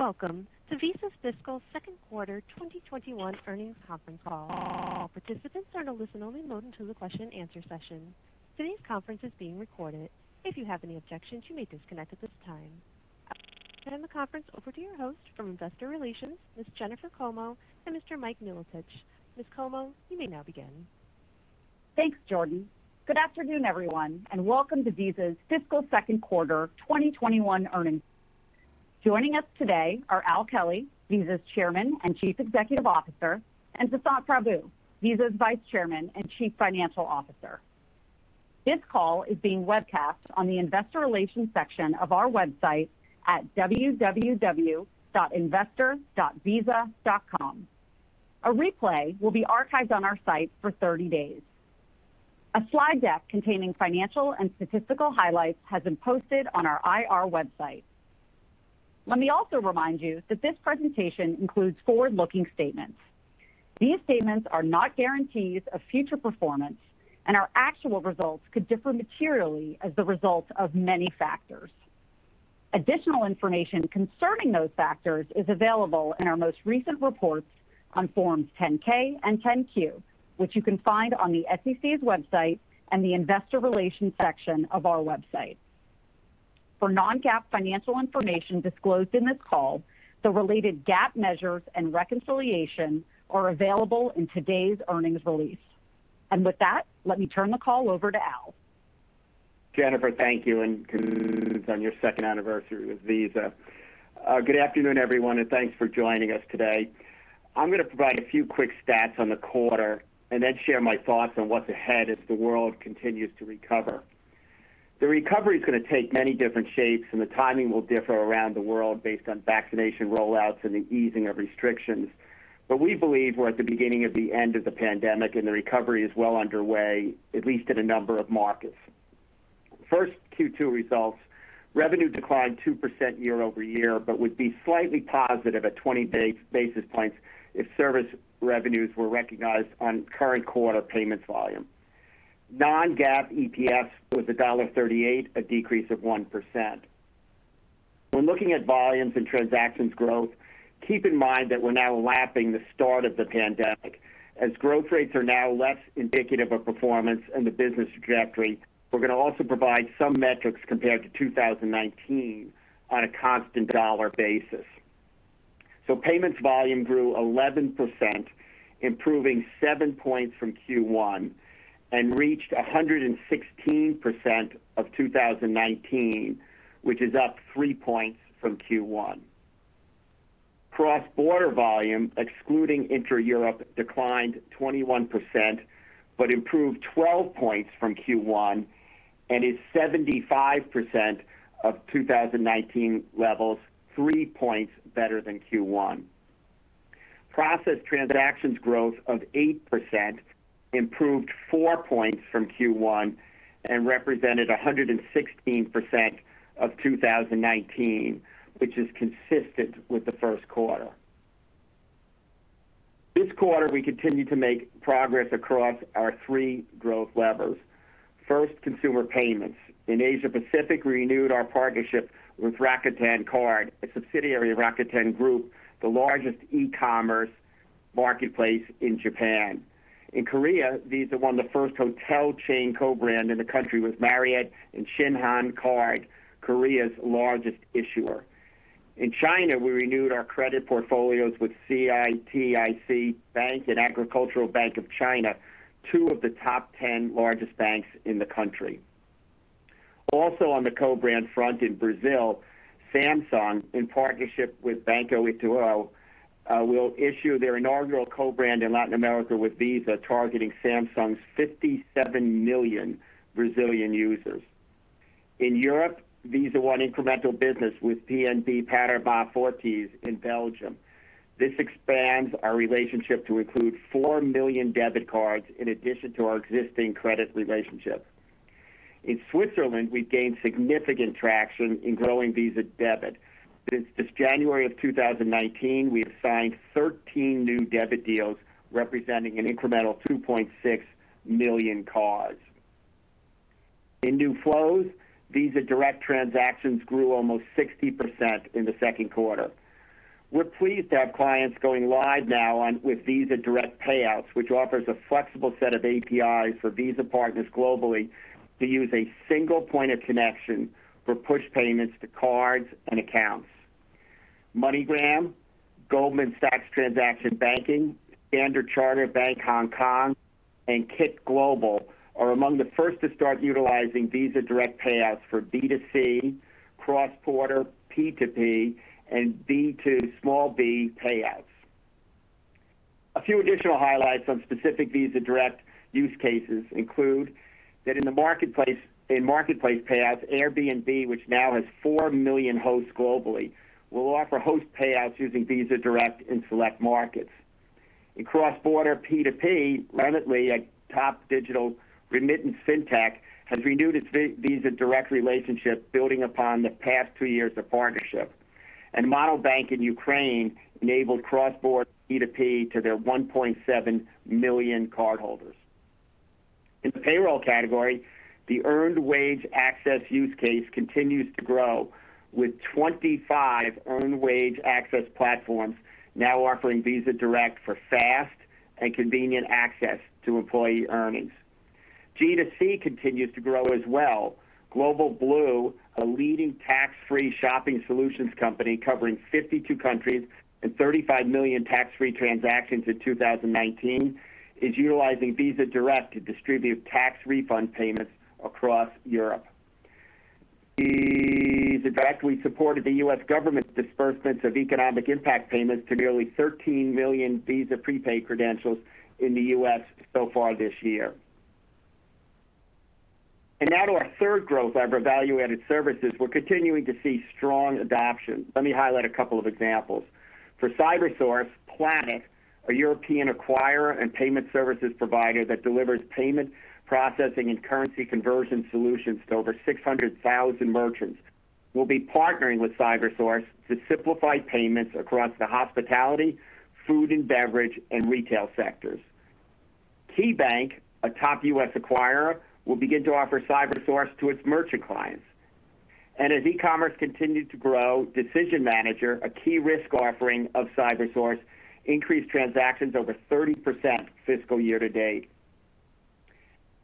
Welcome to Visa's Fiscal Second Quarter 2021 Earnings Conference Call. All participants are in a listen-only mode until the question-and-answer session. Today's conference is being recorded. If you have any objections, you may disconnect at this time. I'll turn the conference over to your host from Investor Relations, Ms. Jennifer Como and Mr. Mike Milotich. Ms. Como, you may now begin. Thanks, Jordan. Good afternoon, everyone, and welcome to Visa's Fiscal Second Quarter 2021 Earnings. Joining us today are Al Kelly, Visa's Chairman and Chief Executive Officer, and Vasant Prabhu, Visa's Vice Chairman and Chief Financial Officer. This call is being webcast on the investor relations section of our website at www.investor.visa.com. A replay will be archived on our site for 30 days. A slide deck containing financial and statistical highlights has been posted on our IR website. Let me also remind you that this presentation includes forward-looking statements. These statements are not guarantees of future performance and our actual results could differ materially as the result of many factors. Additional information concerning those factors is available in our most recent reports on forms 10-K and 10-Q, which you can find on the SEC's website and the investor relations section of our website. For non-GAAP financial information disclosed in this call, the related GAAP measures and reconciliation are available in today's earnings release. With that, let me turn the call over to Al. Jennifer, thank you, and congratulations on your second anniversary with Visa. Good afternoon, everyone, and thanks for joining us today. I'm going to provide a few quick stats on the quarter and then share my thoughts on what's ahead as the world continues to recover. The recovery's going to take many different shapes, and the timing will differ around the world based on vaccination rollouts and the easing of restrictions. We believe we're at the beginning of the end of the pandemic, and the recovery is well underway, at least in a number of markets. First, Q2 results, revenue declined 2% year-over-year, but would be slightly positive at 20 basis points if service revenues were recognized on current quarter payments volume. Non-GAAP EPS was $1.38, a decrease of 1%. When looking at volumes and transactions growth, keep in mind that we're now lapping the start of the pandemic. As growth rates are now less indicative of performance and the business trajectory, we're going to also provide some metrics compared to 2019 on a constant dollar basis. Payments volume grew 11%, improving 7 points from Q1, and reached 116% of 2019, which is up 3 points from Q1. Cross-border volume, excluding intra-Europe, declined 21%, but improved 12 points from Q1 and is 75% of 2019 levels, 3 points better than Q1. Processed transactions growth of 8% improved 4 points from Q1 and represented 116% of 2019, which is consistent with the first quarter. This quarter, we continued to make progress across our three growth levers. First, consumer payments. In Asia-Pacific, we renewed our partnership with Rakuten Card, a subsidiary of Rakuten Group, the largest e-commerce marketplace in Japan. In Korea, Visa won the first hotel chain co-brand in the country with Marriott and Shinhan Card, Korea's largest issuer. In China, we renewed our credit portfolios with CITIC Bank and Agricultural Bank of China, two of the top 10 largest banks in the country. Also on the co-brand front in Brazil, Samsung, in partnership with Banco Itaú, will issue their inaugural co-brand in Latin America with Visa targeting Samsung's 57 million Brazilian users. In Europe, Visa won incremental business with BNP Paribas Fortis in Belgium. This expands our relationship to include 4 million debit cards in addition to our existing credit relationship. In Switzerland, we gained significant traction in growing Visa Debit. Since January of 2019, we have signed 13 new debit deals representing an incremental 2.6 million cards. In new flows, Visa Direct transactions grew almost 60% in the second quarter. We're pleased to have clients going live now with Visa Direct Payouts, which offers a flexible set of APIs for Visa partners globally to use a single point of connection for push payments to cards and accounts. MoneyGram, Goldman Sachs Transaction Banking, Standard Chartered Bank Hong Kong, and KyckGlobal are among the first to start utilizing Visa Direct Payouts for B2C, cross-border P2P, and B2, small b, payouts. A few additional highlights on specific Visa Direct use cases include that in marketplace payouts, Airbnb, which now has 4 million hosts globally, will offer host payouts using Visa Direct in select markets. In cross-border P2P, Remitly, a top digital remittance fintech, has renewed its Visa Direct relationship, building upon the past two years of partnership. Monobank in Ukraine enabled cross-border P2P to their 1.7 million cardholders. In the payroll category, the earned wage access use case continues to grow with 25 earned wage access platforms now offering Visa Direct for fast and convenient access to employee earnings. G2C continues to grow as well. Global Blue, a leading tax-free shopping solutions company covering 52 countries and 35 million tax-free transactions in 2019, is utilizing Visa Direct to distribute tax refund payments across Europe. supported the U.S. government's disbursements of Economic Impact Payments to nearly 13 million Visa prepaid credentials in the U.S. so far this year. Now to our third growth lever, evaluated services. We're continuing to see strong adoption. Let me highlight a couple of examples. For CyberSource, Planet, a European acquirer and payment services provider that delivers payment processing and currency conversion solutions to over 600,000 merchants, will be partnering with CyberSource to simplify payments across the hospitality, food and beverage, and retail sectors. KeyBanc, a top U.S. acquirer, will begin to offer CyberSource to its merchant clients. As e-commerce continued to grow, Decision Manager, a key risk offering of CyberSource, increased transactions over 30% fiscal year-to-date.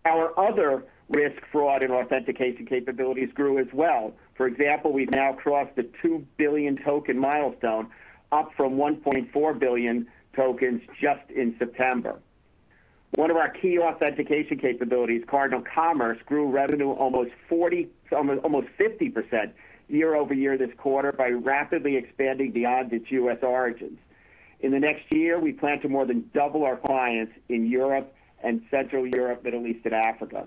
Our other risk, fraud, and authentication capabilities grew as well. For example, we've now crossed the 2 billion token milestone, up from 1.4 billion tokens just in September. One of our key authentication capabilities, CardinalCommerce, grew revenue almost 50% year-over-year this quarter by rapidly expanding beyond its U.S. origins. In the next year, we plan to more than double our clients in Europe and Central Europe, Middle East, and Africa.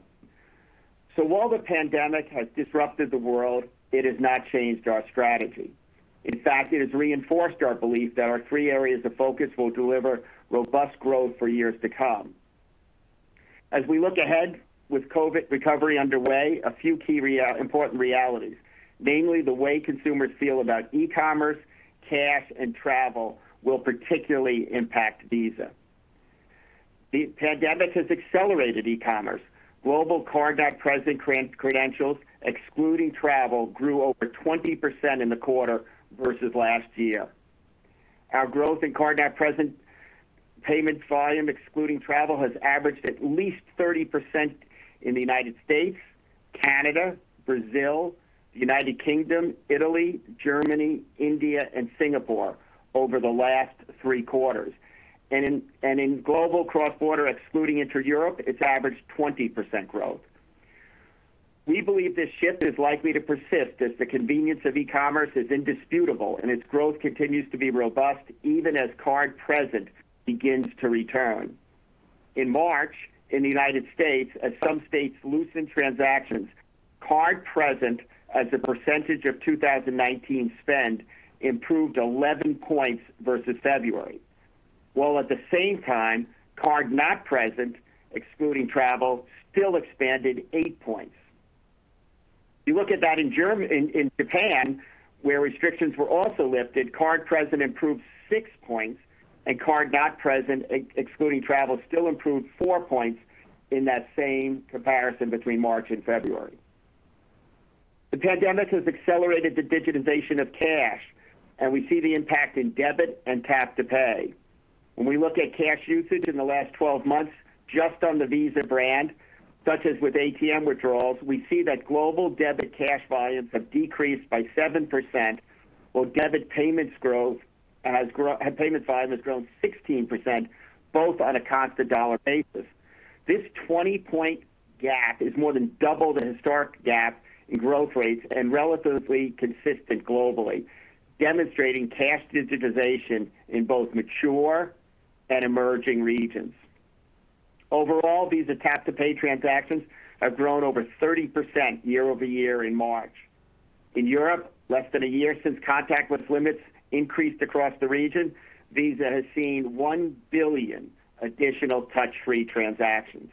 While the pandemic has disrupted the world, it has not changed our strategy. In fact, it has reinforced our belief that our three areas of focus will deliver robust growth for years to come. As we look ahead with COVID recovery underway, a few key important realities, namely the way consumers feel about e-commerce, cash, and travel will particularly impact Visa. The pandemic has accelerated e-commerce. Global card-not-present credentials, excluding travel, grew over 20% in the quarter versus last year. Our growth in card-not-present payment volume, excluding travel, has averaged at least 30% in the United States, Canada, Brazil, the United Kingdom, Italy, Germany, India, and Singapore over the last three quarters. In global cross-border, excluding intra-Europe, it's averaged 20% growth. We believe this shift is likely to persist as the convenience of e-commerce is indisputable and its growth continues to be robust even as card-present begins to return. In March, in the United States, as some states loosened transactions, card-present as a percentage of 2019 spend improved 11 points versus February, while at the same time, card-not-present, excluding travel, still expanded 8 points. You look at that in Japan, where restrictions were also lifted, card-present improved 6 points, and card-not-present, excluding travel, still improved 4 points in that same comparison between March and February. The pandemic has accelerated the digitization of cash, and we see the impact in debit and Tap to Pay. When we look at cash usage in the last 12 months, just on the Visa brand, such as with ATM withdrawals, we see that global debit cash volumes have decreased by 7%, while debit payment volume has grown 16%, both on a constant dollar basis. This 20-point gap is more than double the historic gap in growth rates and relatively consistent globally, demonstrating cash digitization in both mature and emerging regions. Overall, Visa Tap to Pay transactions have grown over 30% year-over-year in March. In Europe, less than a year since contactless limits increased across the region, Visa has seen 1 billion additional touch-free transactions.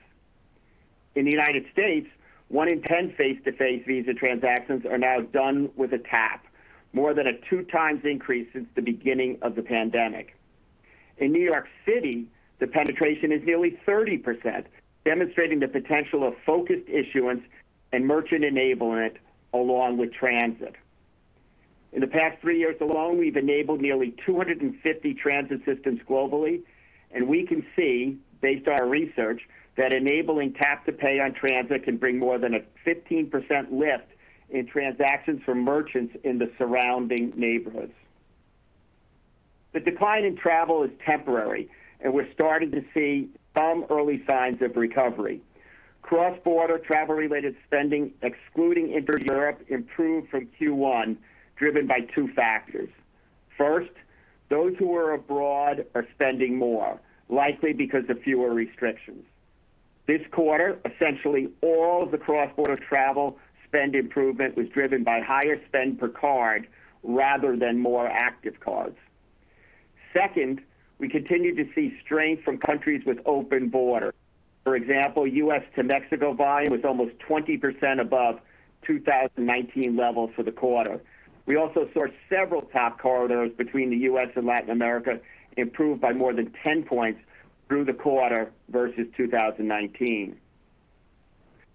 In the United States, one in 10 face-to-face Visa transactions are now done with a tap, more than a 2x increase since the beginning of the pandemic. In New York City, the penetration is nearly 30%, demonstrating the potential of focused issuance and merchant enablement along with transit. In the past three years alone, we've enabled nearly 250 transit systems globally. We can see based on our research, that enabling Tap to Pay on transit can bring more than a 15% lift in transactions for merchants in the surrounding neighborhoods. The decline in travel is temporary. We're starting to see some early signs of recovery. Cross-border travel-related spending, excluding intra-Europe, improved from Q1, driven by two factors. First, those who are abroad are spending more, likely because of fewer restrictions. This quarter, essentially all of the cross-border travel spend improvement was driven by higher spend per card rather than more active cards. Second, we continue to see strength from countries with open border. For example, U.S. to Mexico volume was almost 20% above 2019 levels for the quarter. We also saw several top corridors between the U.S. and Latin America improve by more than 10 points through the quarter versus 2019.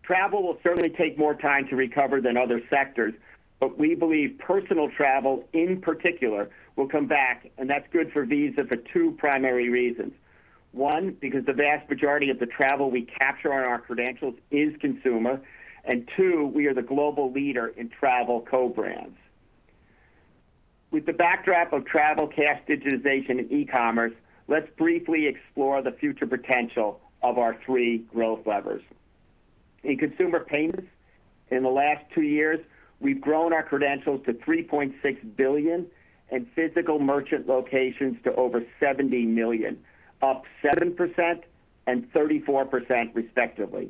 Travel will certainly take more time to recover than other sectors, but we believe personal travel, in particular, will come back, and that's good for Visa for two primary reasons. One, because the vast majority of the travel we capture on our credentials is consumer. Two, we are the global leader in travel co-brands. With the backdrop of travel, cash digitization, and e-commerce, let's briefly explore the future potential of our three growth levers. In consumer payments, in the last two years, we've grown our credentials to 3.6 billion and physical merchant locations to over 70 million, up 7% and 34% respectively.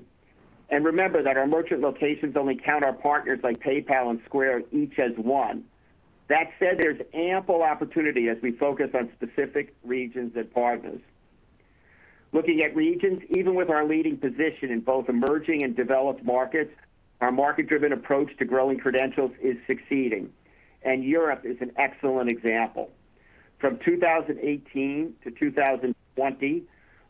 Remember that our merchant locations only count our partners like PayPal and Square each as one. That said, there's ample opportunity as we focus on specific regions and partners. Looking at regions, even with our leading position in both emerging and developed markets, our market-driven approach to growing credentials is succeeding, and Europe is an excellent example. From 2018-2020,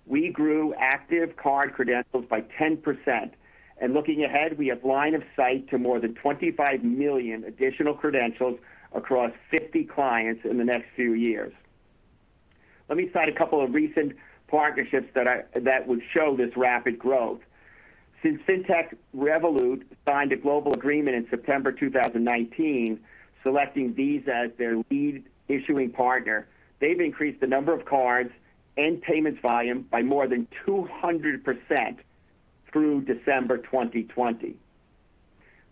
we grew active card credentials by 10%, and looking ahead, we have line of sight to more than 25 million additional credentials across 50 clients in the next few years. Let me cite a couple of recent partnerships that would show this rapid growth. Since fintech Revolut signed a global agreement in September 2019, selecting Visa as their lead issuing partner, they've increased the number of cards and payments volume by more than 200% through December 2020.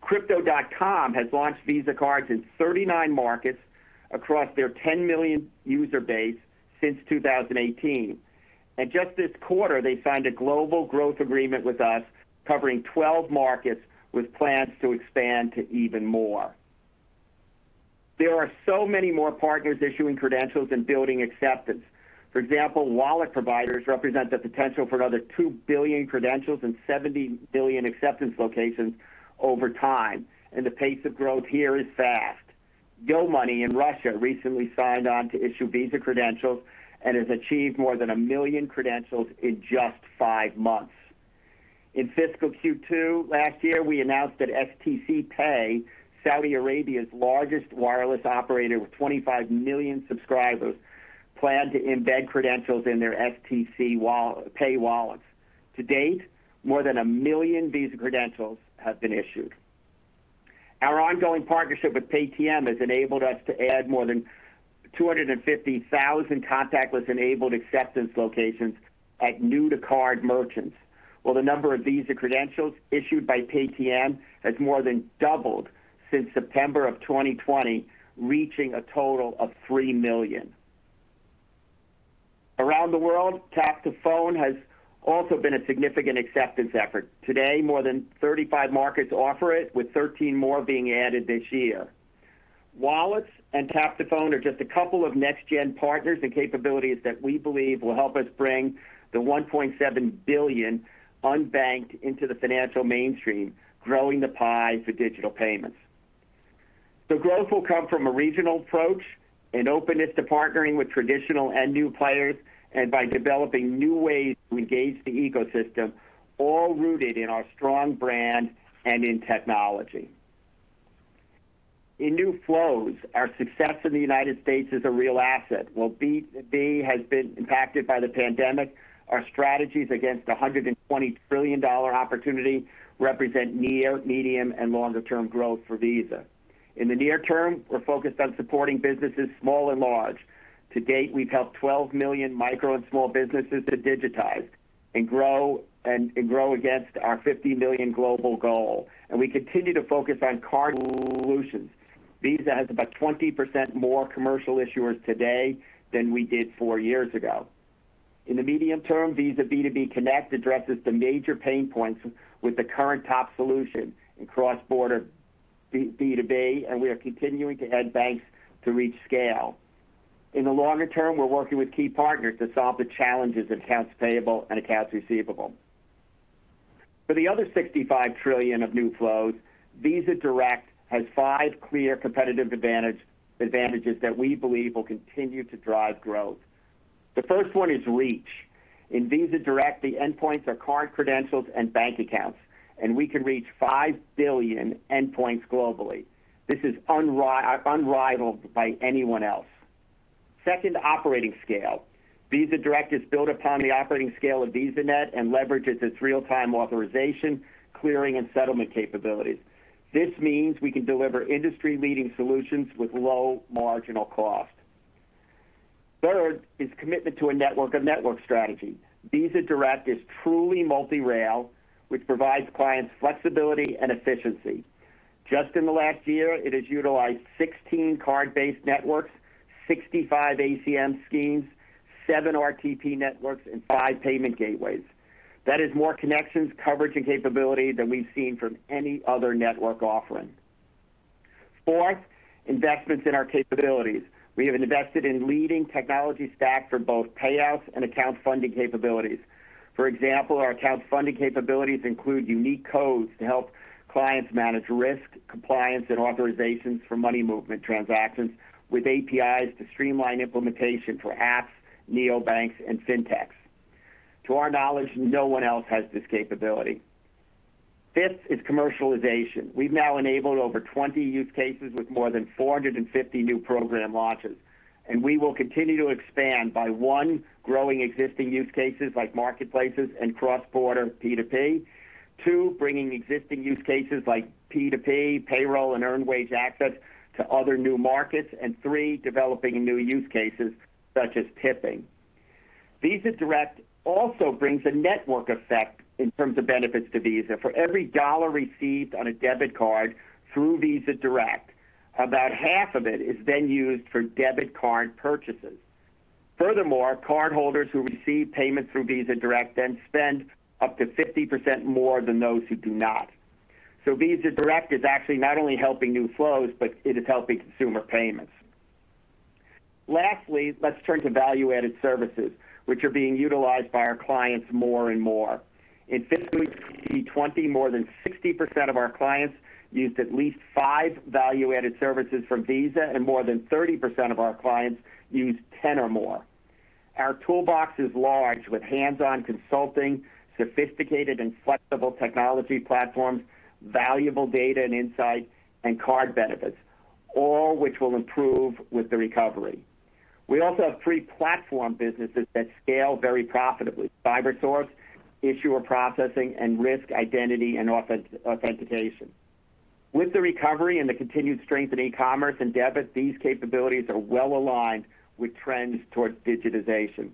Crypto.com has launched Visa cards in 39 markets across their 10 million user base since 2018. Just this quarter, they signed a global growth agreement with us covering 12 markets with plans to expand to even more. There are so many more partners issuing credentials and building acceptance. For example, wallet providers represent the potential for another 2 billion credentials and 70 billion acceptance locations over time, and the pace of growth here is fast. YooMoney in Russia recently signed on to issue Visa credentials and has achieved more than 1 million credentials in just five months. In fiscal Q2 last year, we announced that stc pay, Saudi Arabia's largest wireless operator with 25 million subscribers, planned to embed credentials in their stc pay wallets. To date, more than 1 million Visa credentials have been issued. Our ongoing partnership with Paytm has enabled us to add more than 250,000 contactless-enabled acceptance locations at new-to-card merchants, while the number of Visa credentials issued by Paytm has more than doubled since September of 2020, reaching a total of 3 million. Around the world, Tap to Phone has also been a significant acceptance effort. Today, more than 35 markets offer it, with 13 more being added this year. Wallets and Tap to Phone are just a couple of next-gen partners and capabilities that we believe will help us bring the 1.7 billion unbanked into the financial mainstream, growing the pie for digital payments. Growth will come from a regional approach, an openness to partnering with traditional and new players, and by developing new ways to engage the ecosystem, all rooted in our strong brand and in technology. In new flows, our success in the United States is a real asset. While B2B has been impacted by the pandemic, our strategies against the $120 trillion opportunity represent near, medium, and longer-term growth for Visa. In the near-term, we're focused on supporting businesses, small and large. To date, we've helped 12 million micro and small businesses to digitize and grow against our 50 million global goal. We continue to focus on card solutions. Visa has about 20% more commercial issuers today than we did four years ago. In the medium-term, Visa B2B Connect addresses the major pain points with the current top solution in cross-border B2B, and we are continuing to add banks to reach scale. In the longer term, we're working with key partners to solve the challenges of accounts payable and accounts receivable. For the other $65 trillion of new flows, Visa Direct has five clear competitive advantages that we believe will continue to drive growth. The first one is reach. In Visa Direct, the endpoints are card credentials and bank accounts, and we can reach 5 billion endpoints globally. This is unrivaled by anyone else. Second, operating scale. Visa Direct is built upon the operating scale of VisaNet and leverages its real-time authorization, clearing, and settlement capabilities. This means we can deliver industry-leading solutions with low marginal cost. Third is commitment to a network of network strategy. Visa Direct is truly multi-rail, which provides clients flexibility and efficiency. Just in the last year, it has utilized 16 card-based networks, 65 ACM schemes, seven RTP networks, and five payment gateways. That is more connections, coverage, and capability than we've seen from any other network offering. Fourth, investments in our capabilities. We have invested in leading technology stacks for both payouts and account funding capabilities. For example, our account funding capabilities include unique codes to help clients manage risk, compliance, and authorizations for money movement transactions with APIs to streamline implementation for apps, neobanks, and fintechs. To our knowledge, no one else has this capability. Fifth is commercialization. We've now enabled over 20 use cases with more than 450 new program launches, and we will continue to expand by, one, growing existing use cases like marketplaces and cross-border P2P. Two, bringing existing use cases like P2P, payroll, and earned wage access to other new markets. Three, developing new use cases such as tipping. Visa Direct also brings a network effect in terms of benefits to Visa. For every dollar received on a debit card through Visa Direct, about half of it is then used for debit card purchases. Furthermore, cardholders who receive payment through Visa Direct then spend up to 50% more than those who do not. Visa Direct is actually not only helping new flows, but it is helping consumer payments. Lastly, let's turn to value-added services, which are being utilized by our clients more and more. In fiscal 2020, more than 60% of our clients used at least five value-added services from Visa, and more than 30% of our clients used 10 or more. Our toolbox is large, with hands-on consulting, sophisticated and flexible technology platforms, valuable data and insights, and card benefits, all which will improve with the recovery. We also have three platform businesses that scale very profitably, CyberSource, issuer processing, and risk, identity, and authentication. With the recovery and the continued strength in e-commerce and debit, these capabilities are well-aligned with trends towards digitization.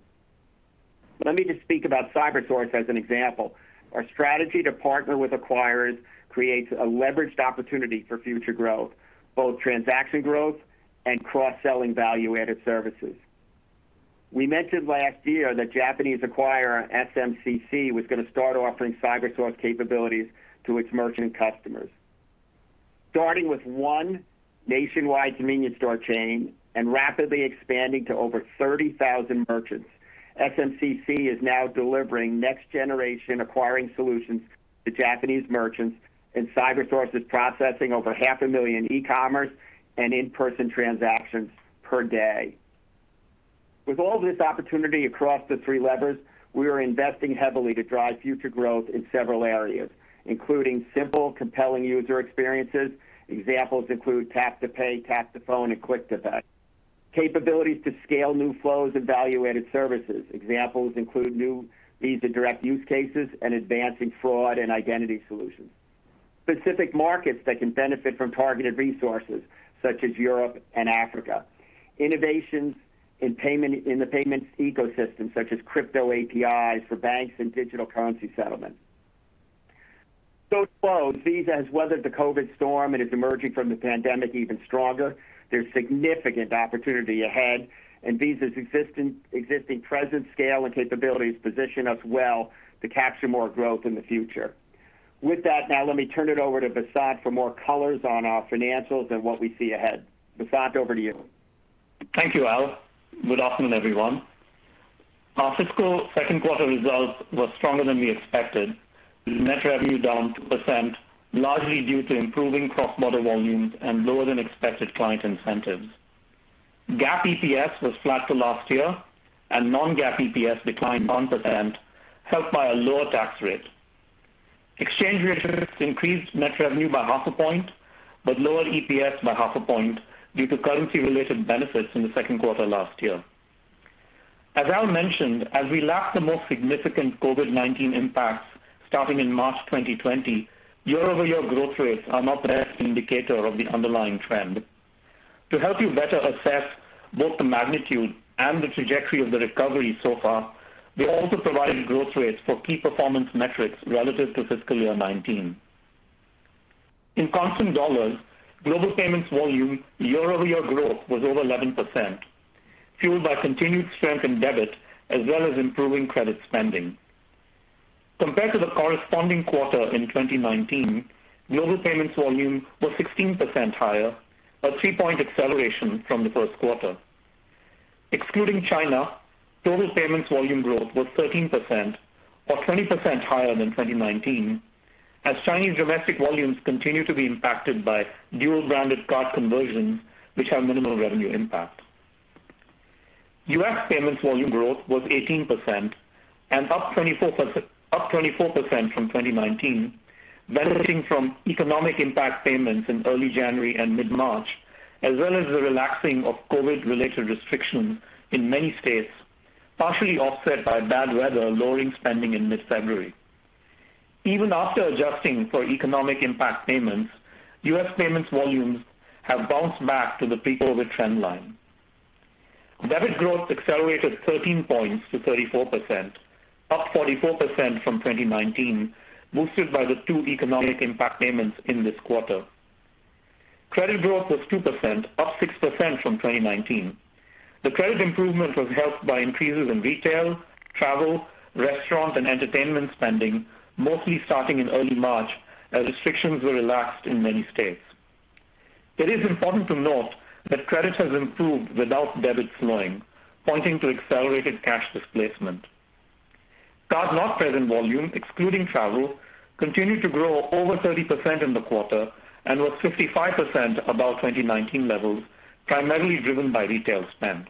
Let me just speak about CyberSource as an example. Our strategy to partner with acquirers creates a leveraged opportunity for future growth, both transaction growth and cross-selling value-added services. We mentioned last year that Japanese acquirer SMCC was going to start offering CyberSource capabilities to its merchant customers. Starting with one nationwide convenience store chain and rapidly expanding to over 30,000 merchants, SMCC is now delivering next-generation acquiring solutions to Japanese merchants, and CyberSource is processing over 500,000 e-commerce and in-person transactions per day. With all this opportunity across the three levers, we are investing heavily to drive future growth in several areas, including simple, compelling user experiences. Examples include Tap to Pay, Tap to Phone, and Click to Pay. Capabilities to scale new flows and value-added services. Examples include new Visa Direct use cases and advancing fraud and identity solutions. Specific markets that can benefit from targeted resources, such as Europe and Africa. Innovations in the payments ecosystem, such as crypto APIs for banks and digital currency settlement. To close, Visa has weathered the COVID storm and is emerging from the pandemic even stronger. There's significant opportunity ahead, and Visa's existing presence, scale, and capabilities position us well to capture more growth in the future. With that, now let me turn it over to Vasant for more colors on our financials and what we see ahead. Vasant, over to you. Thank you, Al. Good afternoon, everyone. Our fiscal second quarter results were stronger than we expected. Net revenue down 2%, largely due to improving cross-border volumes and lower than expected client incentives. GAAP EPS was flat to last year, and non-GAAP EPS declined 1%, helped by a lower tax rate. Exchange rates increased net revenue by 0.5 point, but lowered EPS by 0.5 point due to currency-related benefits in the second quarter last year. As Al mentioned, as we lap the most significant COVID-19 impacts starting in March 2020, year-over-year growth rates are not the best indicator of the underlying trend. To help you better assess both the magnitude and the trajectory of the recovery so far, we're also providing growth rates for key performance metrics relative to fiscal year 2019. In constant dollars, global payments volume year-over-year growth was over 11%, fueled by continued strength in debit as well as improving credit spending. Compared to the corresponding quarter in 2019, global payments volume was 16% higher, a 3-point acceleration from the first quarter. Excluding China, total payments volume growth was 13%, or 20% higher than 2019, as Chinese domestic volumes continue to be impacted by dual-branded card conversions, which have minimal revenue impact. U.S. payments volume growth was 18% and up 24% from 2019, benefiting from Economic Impact Payments in early January and mid-March, as well as the relaxing of COVID-related restrictions in many states, partially offset by bad weather lowering spending in mid-February. Even after adjusting for Economic Impact Payments, U.S. payments volumes have bounced back to the pre-COVID trend line. Debit growth accelerated 13 points to 34%, up 44% from 2019, boosted by the two Economic Impact Payments in this quarter. Credit growth was 2%, up 6% from 2019. The credit improvement was helped by increases in retail, travel, restaurant, and entertainment spending, mostly starting in early March as restrictions were relaxed in many states. It is important to note that credit has improved without debit slowing, pointing to accelerated cash displacement. Card-not-present volume, excluding travel, continued to grow over 30% in the quarter and was 55% above 2019 levels, primarily driven by retail spend.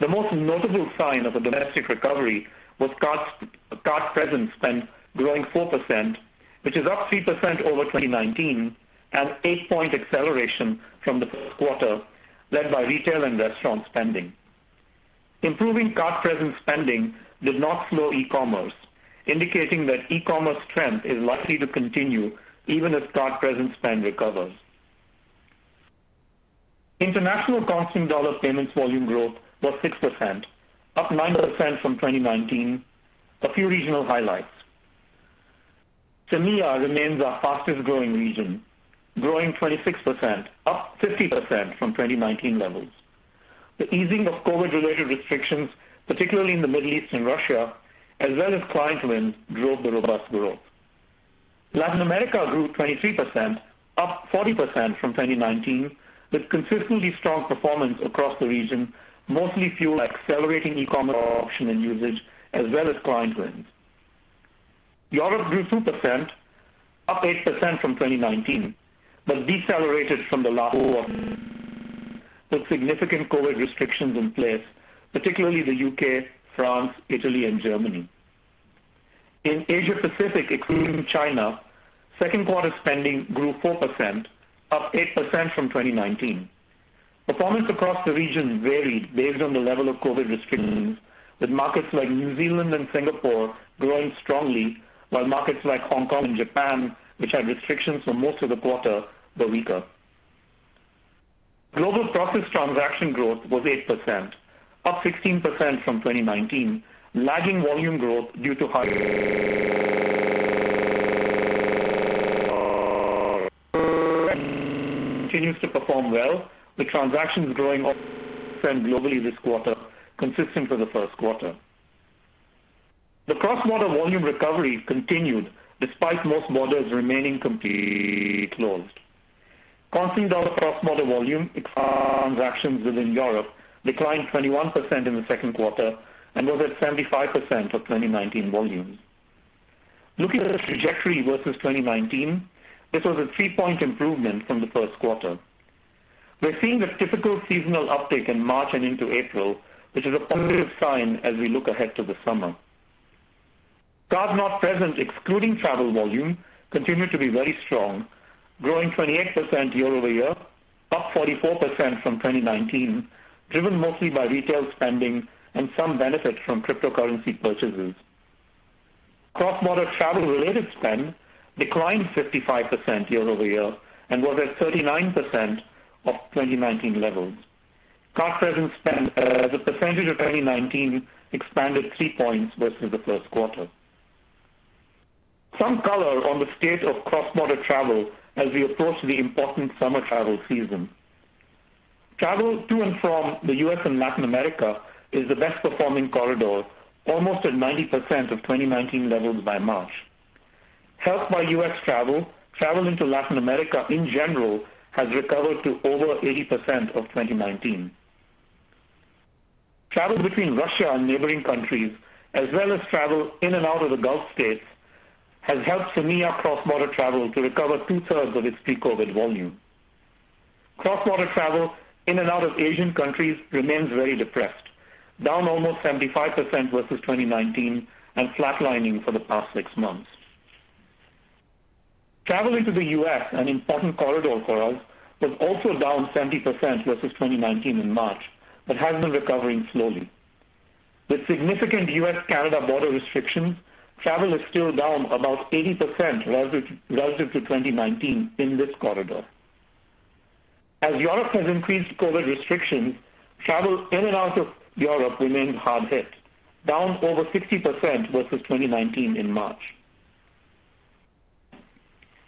The most notable sign of a domestic recovery was card-present spend growing 4%, which is up 3% over 2019 and an 8-point acceleration from the first quarter, led by retail and restaurant spending. Improving card-present spending did not slow e-commerce, indicating that e-commerce trend is likely to continue even as card-present spend recovers. International constant dollar payments volume growth was 6%, up 9% from 2019. A few regional highlights. EMEA remains our fastest-growing region, growing 26%, up 50% from 2019 levels. The easing of COVID-related restrictions, particularly in the Middle East and Russia, as well as client wins, drove the robust growth. Latin America grew 23%, up 40% from 2019, with consistently strong performance across the region, mostly fueled by accelerating e-commerce adoption and usage as well as client wins. Europe grew 2%, up 8% from 2019, but decelerated from the last quarter, with significant COVID restrictions in place, particularly the U.K., France, Italy and Germany. In Asia-Pacific, excluding China, second quarter spending grew 4%, up 8% from 2019. Performance across the region varied based on the level of COVID restrictions, with markets like New Zealand and Singapore growing strongly, while markets like Hong Kong and Japan, which had restrictions for most of the quarter, were weaker. Global processed transaction growth was 8%, up 16% from 2019, lagging volume growth due to high continues to perform well, with transactions growing globally this quarter, consistent for the first quarter. The cross-border volume recovery continued despite most borders remaining completely closed. Constant dollar cross-border volume, excluding transactions within Europe, declined 21% in the second quarter and was at 75% of 2019 volumes. Looking at the trajectory versus 2019, this was a 3-point improvement from the first quarter. We're seeing the typical seasonal uptick in March and into April, which is a positive sign as we look ahead to the summer. Card-not-present, excluding travel volume, continued to be very strong, growing 28% year-over-year, up 44% from 2019, driven mostly by retail spending and some benefit from cryptocurrency purchases. Cross-border travel-related spend declined 55% year-over-year and was at 39% of 2019 levels. Card-present spend as a percentage of 2019 expanded 3 points versus the first quarter. Some color on the state of cross-border travel as we approach the important summer travel season. Travel to and from the U.S. and Latin America is the best performing corridor, almost at 90% of 2019 levels by March. Helped by U.S. travel into Latin America in general has recovered to over 80% of 2019. Travel between Russia and neighboring countries, as well as travel in and out of the Gulf States, has helped EMEA cross-border travel to recover 2/3 of its pre-COVID volume. Cross-border travel in and out of Asian countries remains very depressed, down almost 75% versus 2019, and flatlining for the past six months. Travel into the U.S., an important corridor for us, was also down 70% versus 2019 in March, but has been recovering slowly. With significant U.S.-Canada border restrictions, travel is still down about 80% relative to 2019 in this corridor. As Europe has increased COVID restrictions, travel in and out of Europe remains hard hit, down over 60% versus 2019 in March.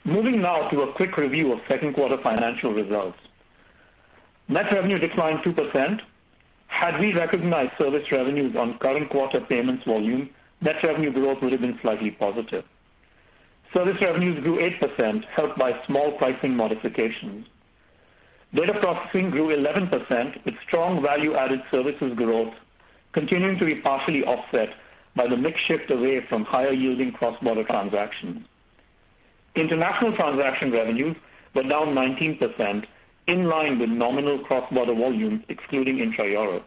Moving now to a quick review of second quarter financial results. Net revenue declined 2%. Had we recognized service revenues on current quarter payments volume, net revenue growth would have been slightly positive. Service revenues grew 8%, helped by small pricing modifications. Data processing grew 11%, with strong value-added services growth continuing to be partially offset by the mix shift away from higher-yielding cross-border transactions. International transaction revenues were down 19%, in line with nominal cross-border volumes excluding intra-Europe.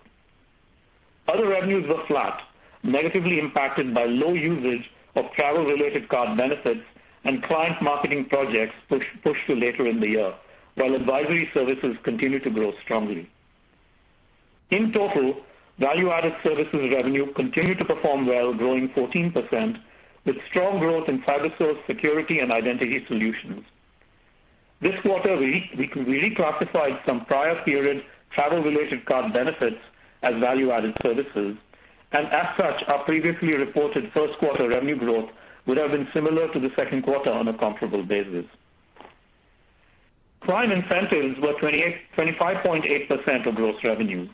Other revenues were flat, negatively impacted by low usage of travel-related card benefits and client marketing projects pushed to later in the year, while advisory services continue to grow strongly. In total, value-added services revenue continued to perform well, growing 14%, with strong growth in CyberSource security and identity solutions. This quarter, we reclassified some prior period travel-related card benefits as value-added services, and as such, our previously reported first quarter revenue growth would have been similar to the second quarter on a comparable basis. Client incentives were 25.8% of gross revenues,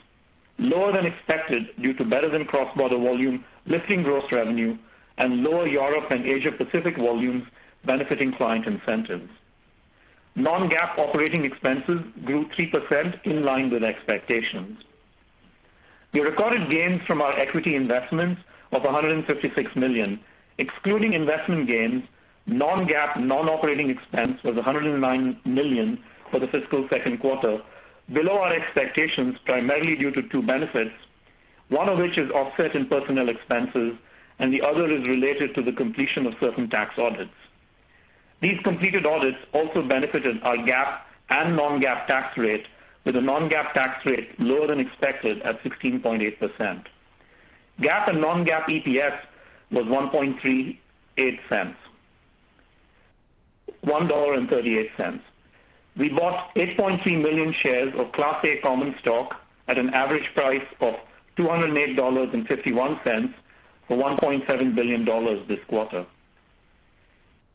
lower than expected due to better than cross-border volume lifting gross revenue and lower Europe and Asia-Pacific volumes benefiting client incentives. Non-GAAP operating expenses grew 3%, in line with expectations. We recorded gains from our equity investments of $156 million. Excluding investment gains, non-GAAP non-operating expense was $109 million for the fiscal second quarter, below our expectations primarily due to two benefits. One of which is offset in personnel expenses. The other is related to the completion of certain tax audits. These completed audits also benefited our GAAP and non-GAAP tax rate, with a non-GAAP tax rate lower than expected at 16.8%. GAAP and non-GAAP EPS was $1.38. We bought 8.3 million shares of class A common stock at an average price of $208.51 for $1.7 billion this quarter.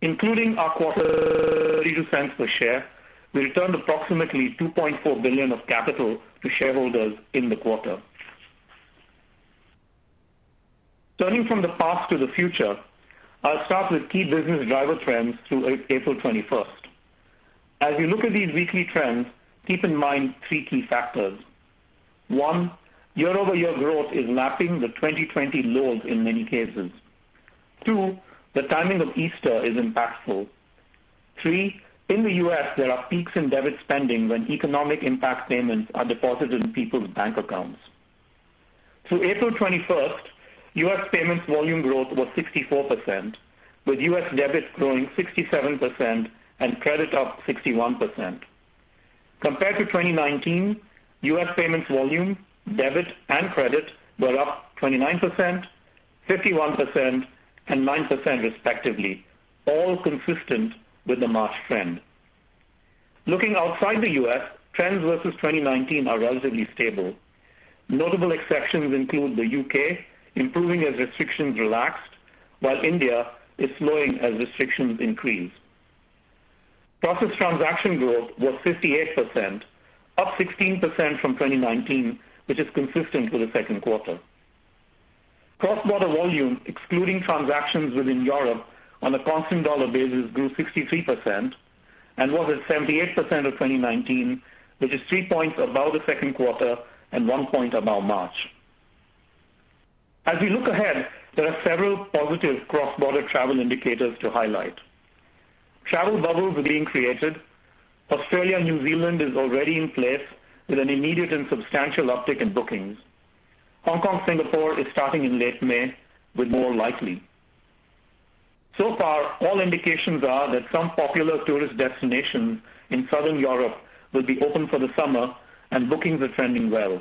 Including our quarterly $0.32 per share, we returned approximately $2.4 billion of capital to shareholders in the quarter. Turning from the past to the future, I'll start with key business driver trends through April 21st. As we look at these weekly trends, keep in mind three key factors. One, year-over-year growth is lapping the 2020 lows in many cases. Two, the timing of Easter is impactful. Three, in the U.S., there are peaks in debit spending when Economic Impact Payments are deposited in people's bank accounts. Through April 21st, U.S. payments volume growth was 64%, with U.S. debit growing 67% and credit up 61%. Compared to 2019, U.S. payments volume, debit, and credit, were up 29%, 51%, and 9% respectively, all consistent with the March trend. Looking outside the U.S., trends versus 2019 are relatively stable. Notable exceptions include the U.K., improving as restrictions relaxed, while India is slowing as restrictions increase. Processed transaction growth was 58%, up 16% from 2019, which is consistent with the second quarter. Cross-border volume, excluding transactions within Europe, on a constant dollar basis grew 63% and was at 78% of 2019, which is 3 points above the second quarter and 1 point above March. As we look ahead, there are several positive cross-border travel indicators to highlight. Travel bubbles are being created. Australia and New Zealand is already in place with an immediate and substantial uptick in bookings. Hong Kong, Singapore is starting in late May, with more likely. So far, all indications are that some popular tourist destinations in Southern Europe will be open for the summer, and bookings are trending well.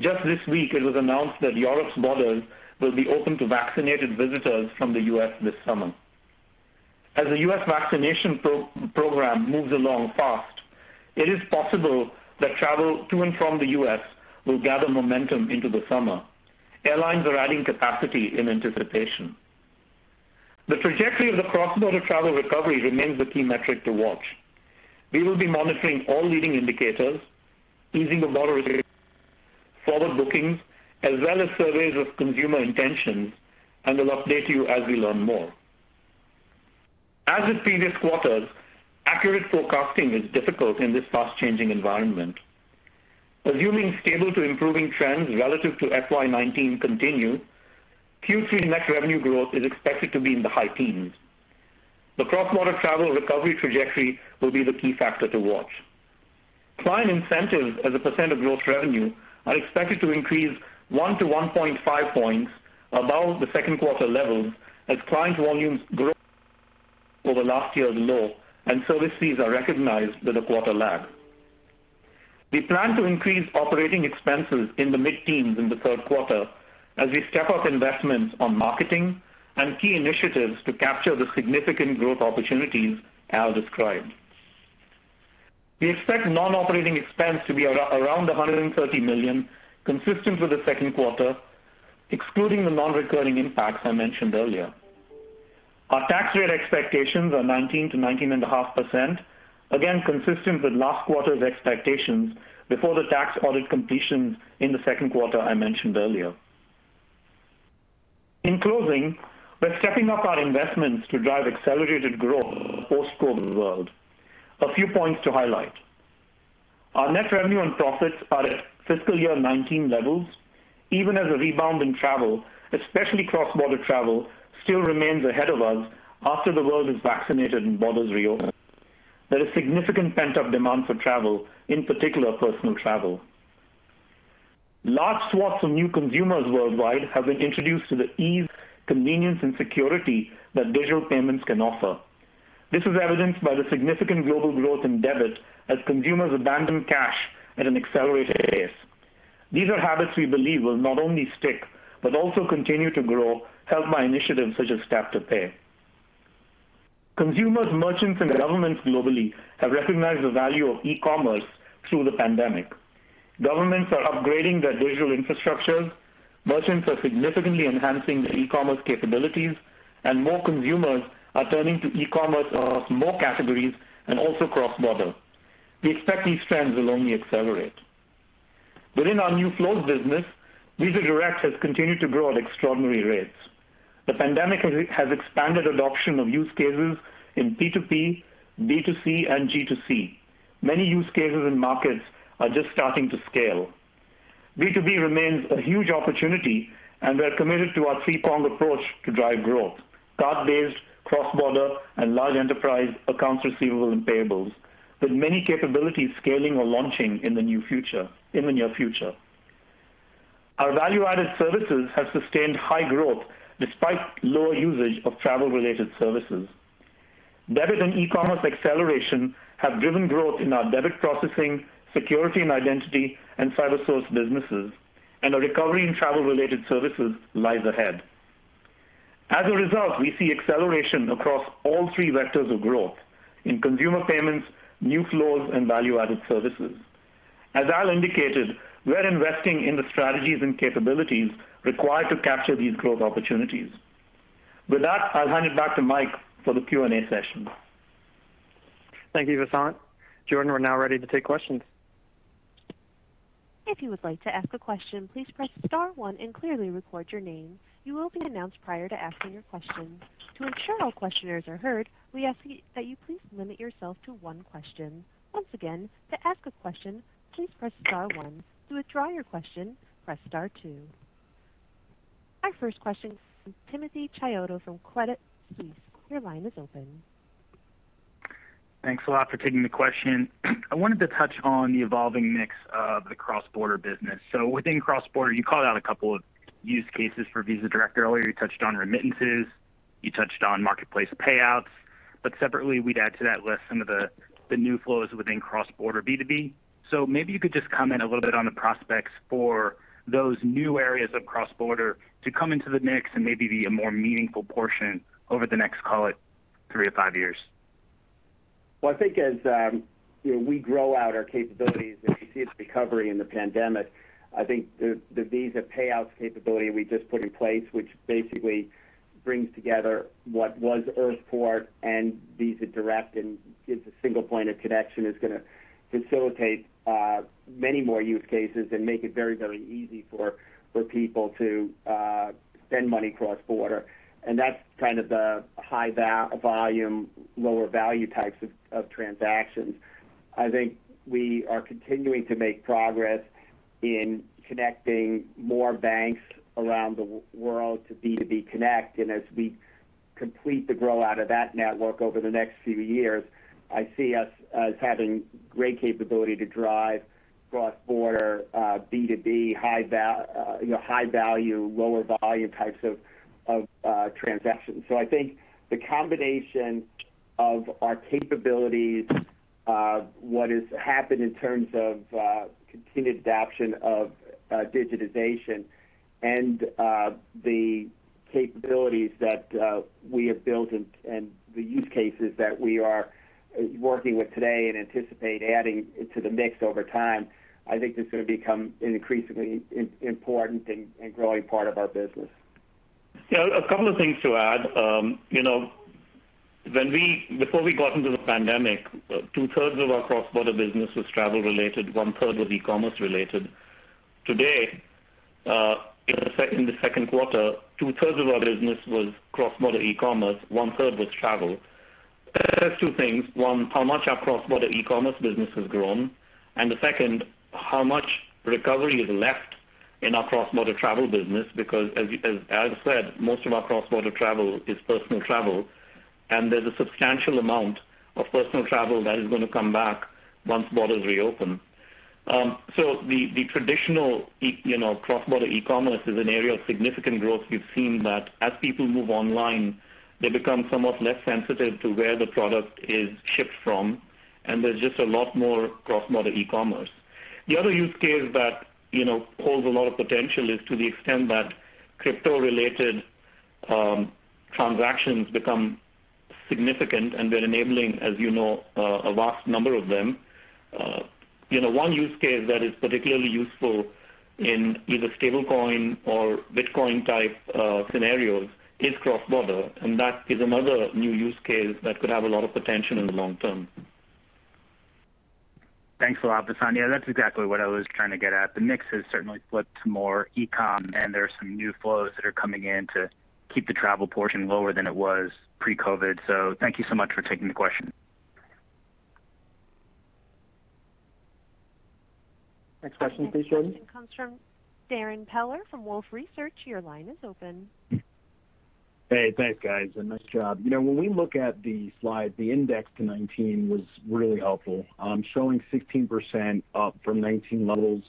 Just this week, it was announced that Europe's borders will be open to vaccinated visitors from the U.S. this summer. As the U.S. vaccination program moves along fast, it is possible that travel to and from the U.S. will gather momentum into the summer. Airlines are adding capacity in anticipation. The trajectory of the cross-border travel recovery remains the key metric to watch. We will be monitoring all leading indicators, easing of border restrictions, forward bookings, as well as surveys of consumer intentions, and will update you as we learn more. As with previous quarters, accurate forecasting is difficult in this fast-changing environment. Assuming stable to improving trends relative to FY 2019 continue, Q3 net revenue growth is expected to be in the high teens. The cross-border travel recovery trajectory will be the key factor to watch. Client incentives as a percent of gross revenue are expected to increase 1-1.5 points above the second quarter levels as client volumes grow over last year's low and service fees are recognized with a quarter lag. We plan to increase operating expenses in the mid-teens in the third quarter as we step up investments on marketing and key initiatives to capture the significant growth opportunities as described. We expect non-operating expense to be around $130 million, consistent with the second quarter, excluding the non-recurring impacts I mentioned earlier. Our tax rate expectations are 19%-19.5%, again, consistent with last quarter's expectations before the tax audit completions in the second quarter I mentioned earlier. In closing, we're stepping up our investments to drive accelerated growth post-COVID world. A few points to highlight. Our net revenue and profits are at fiscal year 2019 levels, even as a rebound in travel, especially cross-border travel, still remains ahead of us after the world is vaccinated and borders reopen. There is significant pent-up demand for travel, in particular personal travel. Large swaths of new consumers worldwide have been introduced to the ease, convenience, and security that digital payments can offer. This is evidenced by the significant global growth in debit as consumers abandon cash at an accelerated pace. These are habits we believe will not only stick but also continue to grow, helped by initiatives such as Tap to Pay. Consumers, merchants, and governments globally have recognized the value of e-commerce through the pandemic. Governments are upgrading their digital infrastructures, merchants are significantly enhancing their e-commerce capabilities, and more consumers are turning to e-commerce across more categories and also cross-border. We expect these trends will only accelerate. Within our new flows business, Visa Direct has continued to grow at extraordinary rates. The pandemic has expanded adoption of use cases in P2P, B2C, and G2C. Many use cases and markets are just starting to scale. B2B remains a huge opportunity, and we're committed to our three-pronged approach to drive growth. Card-based, cross-border, and large enterprise accounts receivable and payables, with many capabilities scaling or launching in the near future. Our value-added services have sustained high growth despite lower usage of travel-related services. Debit and e-commerce acceleration have driven growth in our debit processing, security and identity, and CyberSource businesses, and a recovery in travel-related services lies ahead. As a result, we see acceleration across all three vectors of growth, in consumer payments, new flows, and value-added services. As Al indicated, we're investing in the strategies and capabilities required to capture these growth opportunities. With that, I'll hand it back to Mike for the Q&A session. Thank you, Vasant. Jordan, we're now ready to take questions. If you would like to ask a question, please press star one and clearly record your name. You will be announced prior to asking your question. To ensure all questions are heard, we ask that you please limit yourself to one question. Once again, to ask a question, please press star one. To withdraw your question, press star two. Our first question is from Timothy Chiodo from Credit Suisse. Your line is open. Thanks a lot for taking the question. I wanted to touch on the evolving mix of the cross-border business. Within cross-border, you called out a couple of use cases for Visa Direct earlier. You touched on remittances, you touched on marketplace payouts. Separately, we'd add to that list some of the new flows within cross-border B2B. Maybe you could just comment a little bit on the prospects for those new areas of cross-border to come into the mix and maybe be a more meaningful portion over the next, call it, three to five years. Well, I think as we grow out our capabilities and we see the recovery in the pandemic, I think the Visa Payouts capability we just put in place, which basically brings together what was Earthport and Visa Direct and gives a single point of connection, is going to facilitate many more use cases and make it very, very easy for people to send money cross-border. That's kind of the high volume, lower value types of transactions. I think we are continuing to make progress in connecting more banks around the world to B2B Connect. As we complete the grow out of that network over the next few years, I see us as having great capability to drive cross-border B2B high value, lower volume types of transactions. I think the combination of our capabilities, what has happened in terms of continued adoption of digitization, and the capabilities that we have built and the use cases that we are working with today and anticipate adding to the mix over time, I think that's going to become an increasingly important and growing part of our business. Yeah, a couple of things to add. Before we got into the pandemic, 2/3 of our cross-border business was travel-related, 1/3 was e-commerce related. Today, in the second quarter, 2/3 of our business was cross-border e-commerce, 1/3 was travel. Two things. One, how much our cross-border e-commerce business has grown, and the second, how much recovery is left in our cross-border travel business, because as Al said, most of our cross-border travel is personal travel, and there's a substantial amount of personal travel that is going to come back once borders reopen. The traditional cross-border e-commerce is an area of significant growth. We've seen that as people move online, they become somewhat less sensitive to where the product is shipped from, and there's just a lot more cross-border e-commerce. The other use case that holds a lot of potential is to the extent that crypto-related transactions become significant, and we're enabling, as you know, a vast number of them. One use case that is particularly useful in either stablecoin or Bitcoin-type scenarios is cross-border, and that is another new use case that could have a lot of potential in the long-term. Thanks a lot, Vasant. Yeah, that's exactly what I was trying to get at. The mix has certainly flipped to more e-com and there are some new flows that are coming in to keep the travel portion lower than it was pre-COVID. Thank you so much for taking the question. Next question, please, Jordan. Next question comes from Darrin Peller from Wolfe Research. Your line is open. Hey, thanks, guys. Nice job. When we look at the slide, the index to 2019 was really helpful, showing 16% up from 2019 levels.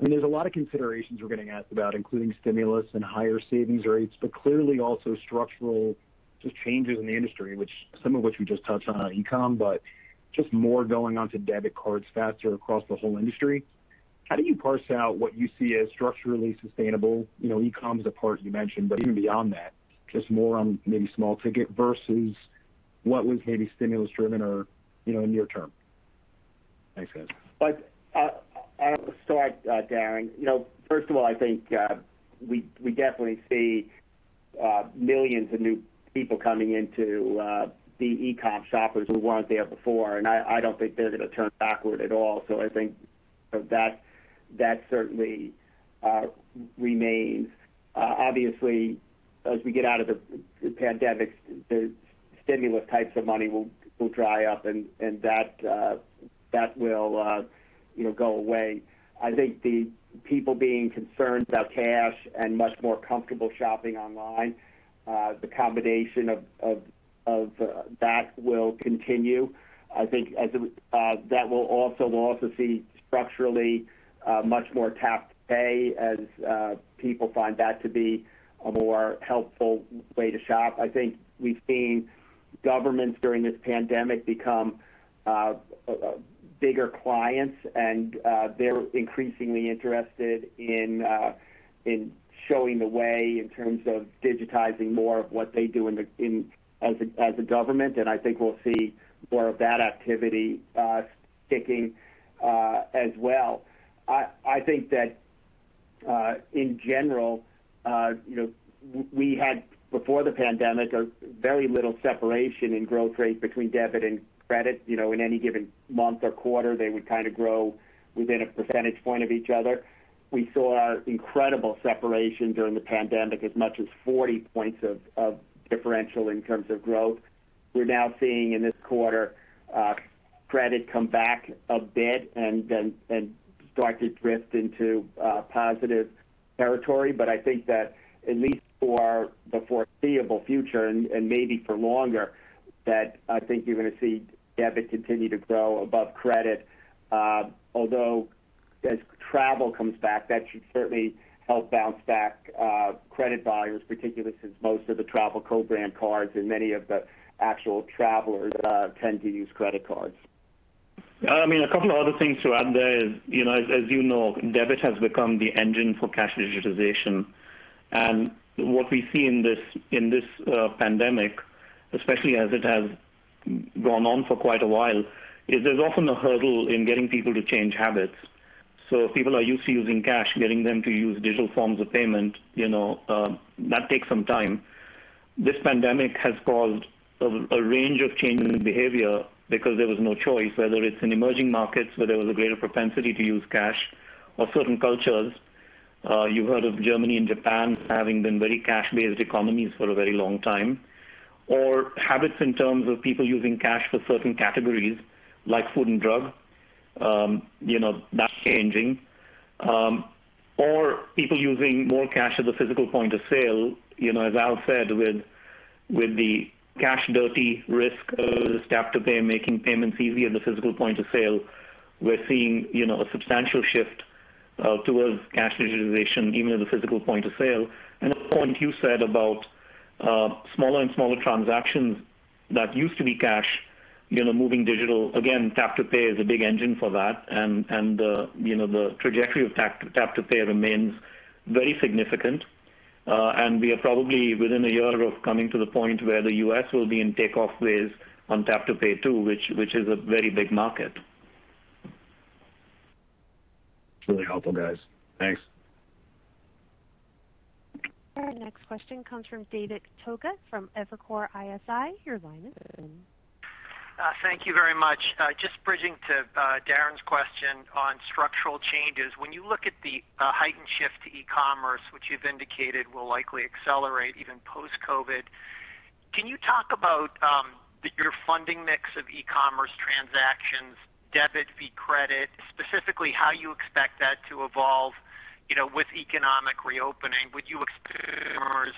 There's a lot of considerations we're getting asked about, including stimulus and higher savings rates, but clearly also structural just changes in the industry, some of which we just touched on e-com, but just more going onto debit cards faster across the whole industry. How do you parse out what you see as structurally sustainable? E-com's a part you mentioned, but even beyond that, just more on maybe small ticket versus what was maybe stimulus driven or near-term. Thanks, guys. I'll start, Darrin. First of all, I think we definitely see millions of new people coming into the e-com, shoppers who weren't there before. I don't think they're going to turn backward at all. I think that certainly remains. Obviously, as we get out of the pandemic, the stimulus types of money will dry up, and that will go away. I think the people being concerned about cash and much more comfortable shopping online, the combination of that will continue. I think we'll also see structurally much more Tap to Pay as people find that to be a more helpful way to shop. I think we've seen governments during this pandemic become bigger clients, and they're increasingly interested in showing the way in terms of digitizing more of what they do as a government. I think we'll see more of that activity sticking as well. I think that in general, we had, before the pandemic, very little separation in growth rates between debit and credit. In any given month or quarter, they would kind of grow within a percentage point of each other. We saw incredible separation during the pandemic, as much as 40 points of differential in terms of growth. We're now seeing in this quarter credit come back a bit and start to drift into positive territory. I think that at least for the foreseeable future and maybe for longer, that I think you're going to see debit continue to grow above credit. Although as travel comes back, that should certainly help bounce back credit volumes, particularly since most of the travel co-brand cards and many of the actual travelers tend to use credit cards. A couple of other things to add there is, as you know, debit has become the engine for cash digitization. What we see in this pandemic, especially as it has gone on for quite a while, is there's often a hurdle in getting people to change habits. If people are used to using cash, getting them to use digital forms of payment, that takes some time. This pandemic has caused a range of change in behavior because there was no choice, whether it's in emerging markets where there was a greater propensity to use cash or certain cultures. You've heard of Germany and Japan having been very cash-based economies for a very long time, or habits in terms of people using cash for certain categories like food and drug. That's changing. Or people using more cash at the physical point of sale. As Al said, with the cash dirty risk, Tap to Pay making payments easier at the physical point of sale, we're seeing a substantial shift towards cash digitization even at the physical point of sale. The point you said about smaller and smaller transactions that used to be cash moving digital, again, Tap to Pay is a big engine for that, and the trajectory of Tap to Pay remains very significant. We are probably within a year of coming to the point where the U.S. will be in takeoff phase on Tap to Pay, too, which is a very big market. Really helpful, guys. Thanks. Our next question comes from David Togut from Evercore ISI. Your line is open. Thank you very much. Just bridging to Darrin's question on structural changes. When you look at the heightened shift to e-commerce, which you've indicated will likely accelerate even post-COVID, can you talk about your funding mix of e-commerce transactions, debit v. credit, specifically how you expect that to evolve with economic reopening? Would you expect consumers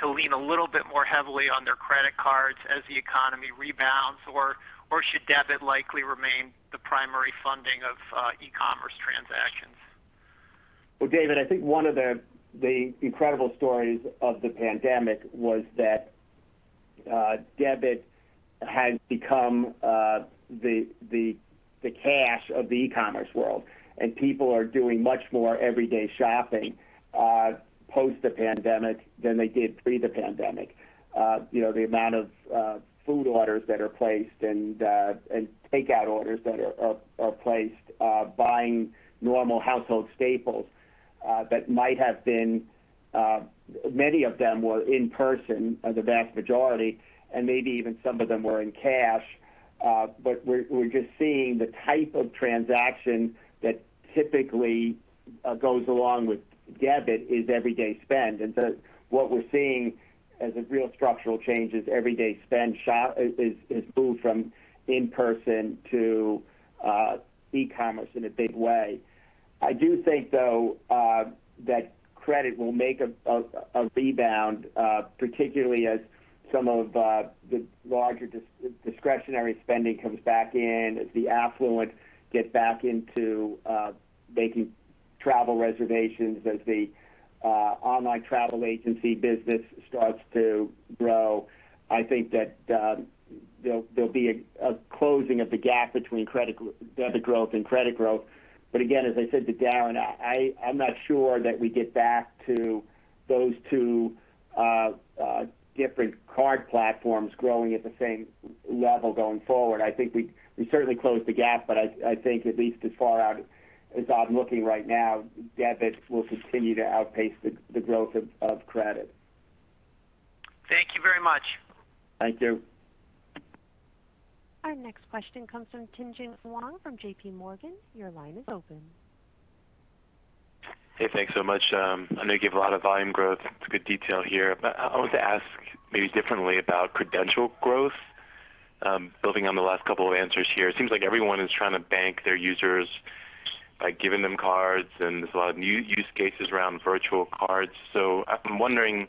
to lean a little bit more heavily on their credit cards as the economy rebounds, or should debit likely remain the primary funding of e-commerce transactions? Well, David, I think one of the incredible stories of the pandemic was that debit has become the cash of the e-commerce world, people are doing much more everyday shopping post the pandemic than they did pre the pandemic. The amount of food orders that are placed and take out orders that are placed, buying normal household staples that might have been, many of them were in person, the vast majority, and maybe even some of them were in cash. We're just seeing the type of transaction that typically goes along with debit is everyday spend. What we're seeing as a real structural change is everyday spend is moved from in-person to e-commerce in a big way. I do think, though, that credit will make a rebound particularly as some of the larger discretionary spending comes back in as the affluent get back into making travel reservations as the online travel agency business starts to grow. I think that there'll be a closing of the gap between debit growth and credit growth. Again, as I said to Darrin, I'm not sure that we get back to those two different card platforms growing at the same level going forward. I think we certainly closed the gap, but I think at least as far out as I'm looking right now, debit will continue to outpace the growth of credit. Thank you very much. Thank you. Our next question comes from Tien-Tsin Huang from JPMorgan. Your line is open. Hey, thanks so much. I know you gave a lot of volume growth. It's a good detail here, but I wanted to ask maybe differently about credential growth, building on the last couple of answers here. It seems like everyone is trying to bank their users by giving them cards, and there's a lot of new use cases around virtual cards. I'm wondering,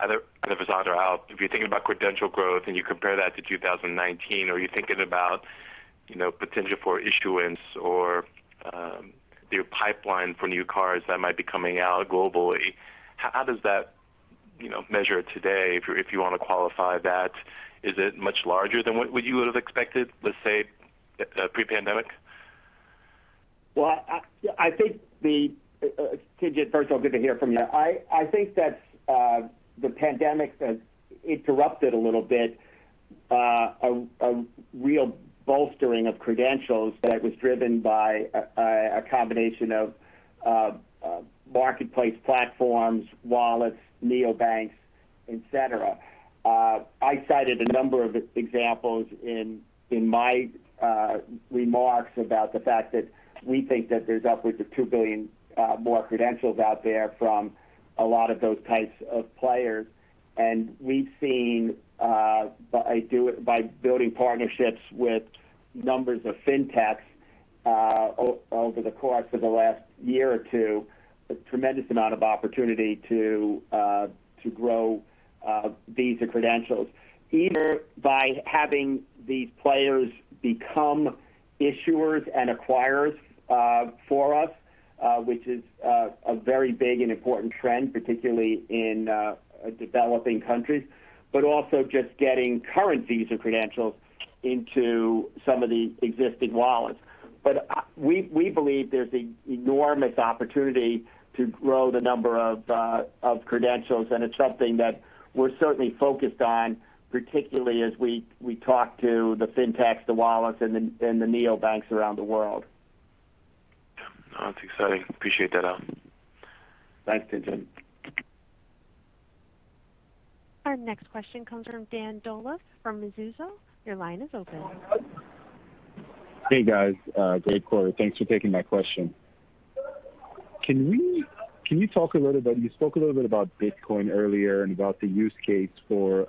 either Vasant or Al, if you're thinking about credential growth and you compare that to 2019, are you thinking about potential for issuance or your pipeline for new cards that might be coming out globally? How does that measure today, if you want to qualify that? Is it much larger than what you would have expected, let's say, pre-pandemic? Well, Tien-Tsin, first of all, good to hear from you. I think that the pandemic has interrupted a little bit a real bolstering of credentials that was driven by a combination of marketplace platforms, wallets, neobanks, et cetera. I cited a number of examples in my remarks about the fact that we think that there's upwards of 2 billion more credentials out there from a lot of those types of players. We've seen by building partnerships with numbers of fintechs over the course of the last year or two, a tremendous amount of opportunity to grow Visa credentials, either by having these players become issuers and acquirers for us, which is a very big and important trend, particularly in developing countries. Also just getting current Visa credentials into some of the existing wallets. We believe there's an enormous opportunity to grow the number of credentials, and it's something that we're certainly focused on, particularly as we talk to the fintechs, the wallets, and the neobanks around the world. That's exciting. Appreciate that, Al. Thanks, Tien-Tsin. Our next question comes from Dan Dolev from Mizuho. Your line is open. Hey, guys. Great quarter. Thanks for taking my question. You spoke a little bit about Bitcoin earlier and about the use case for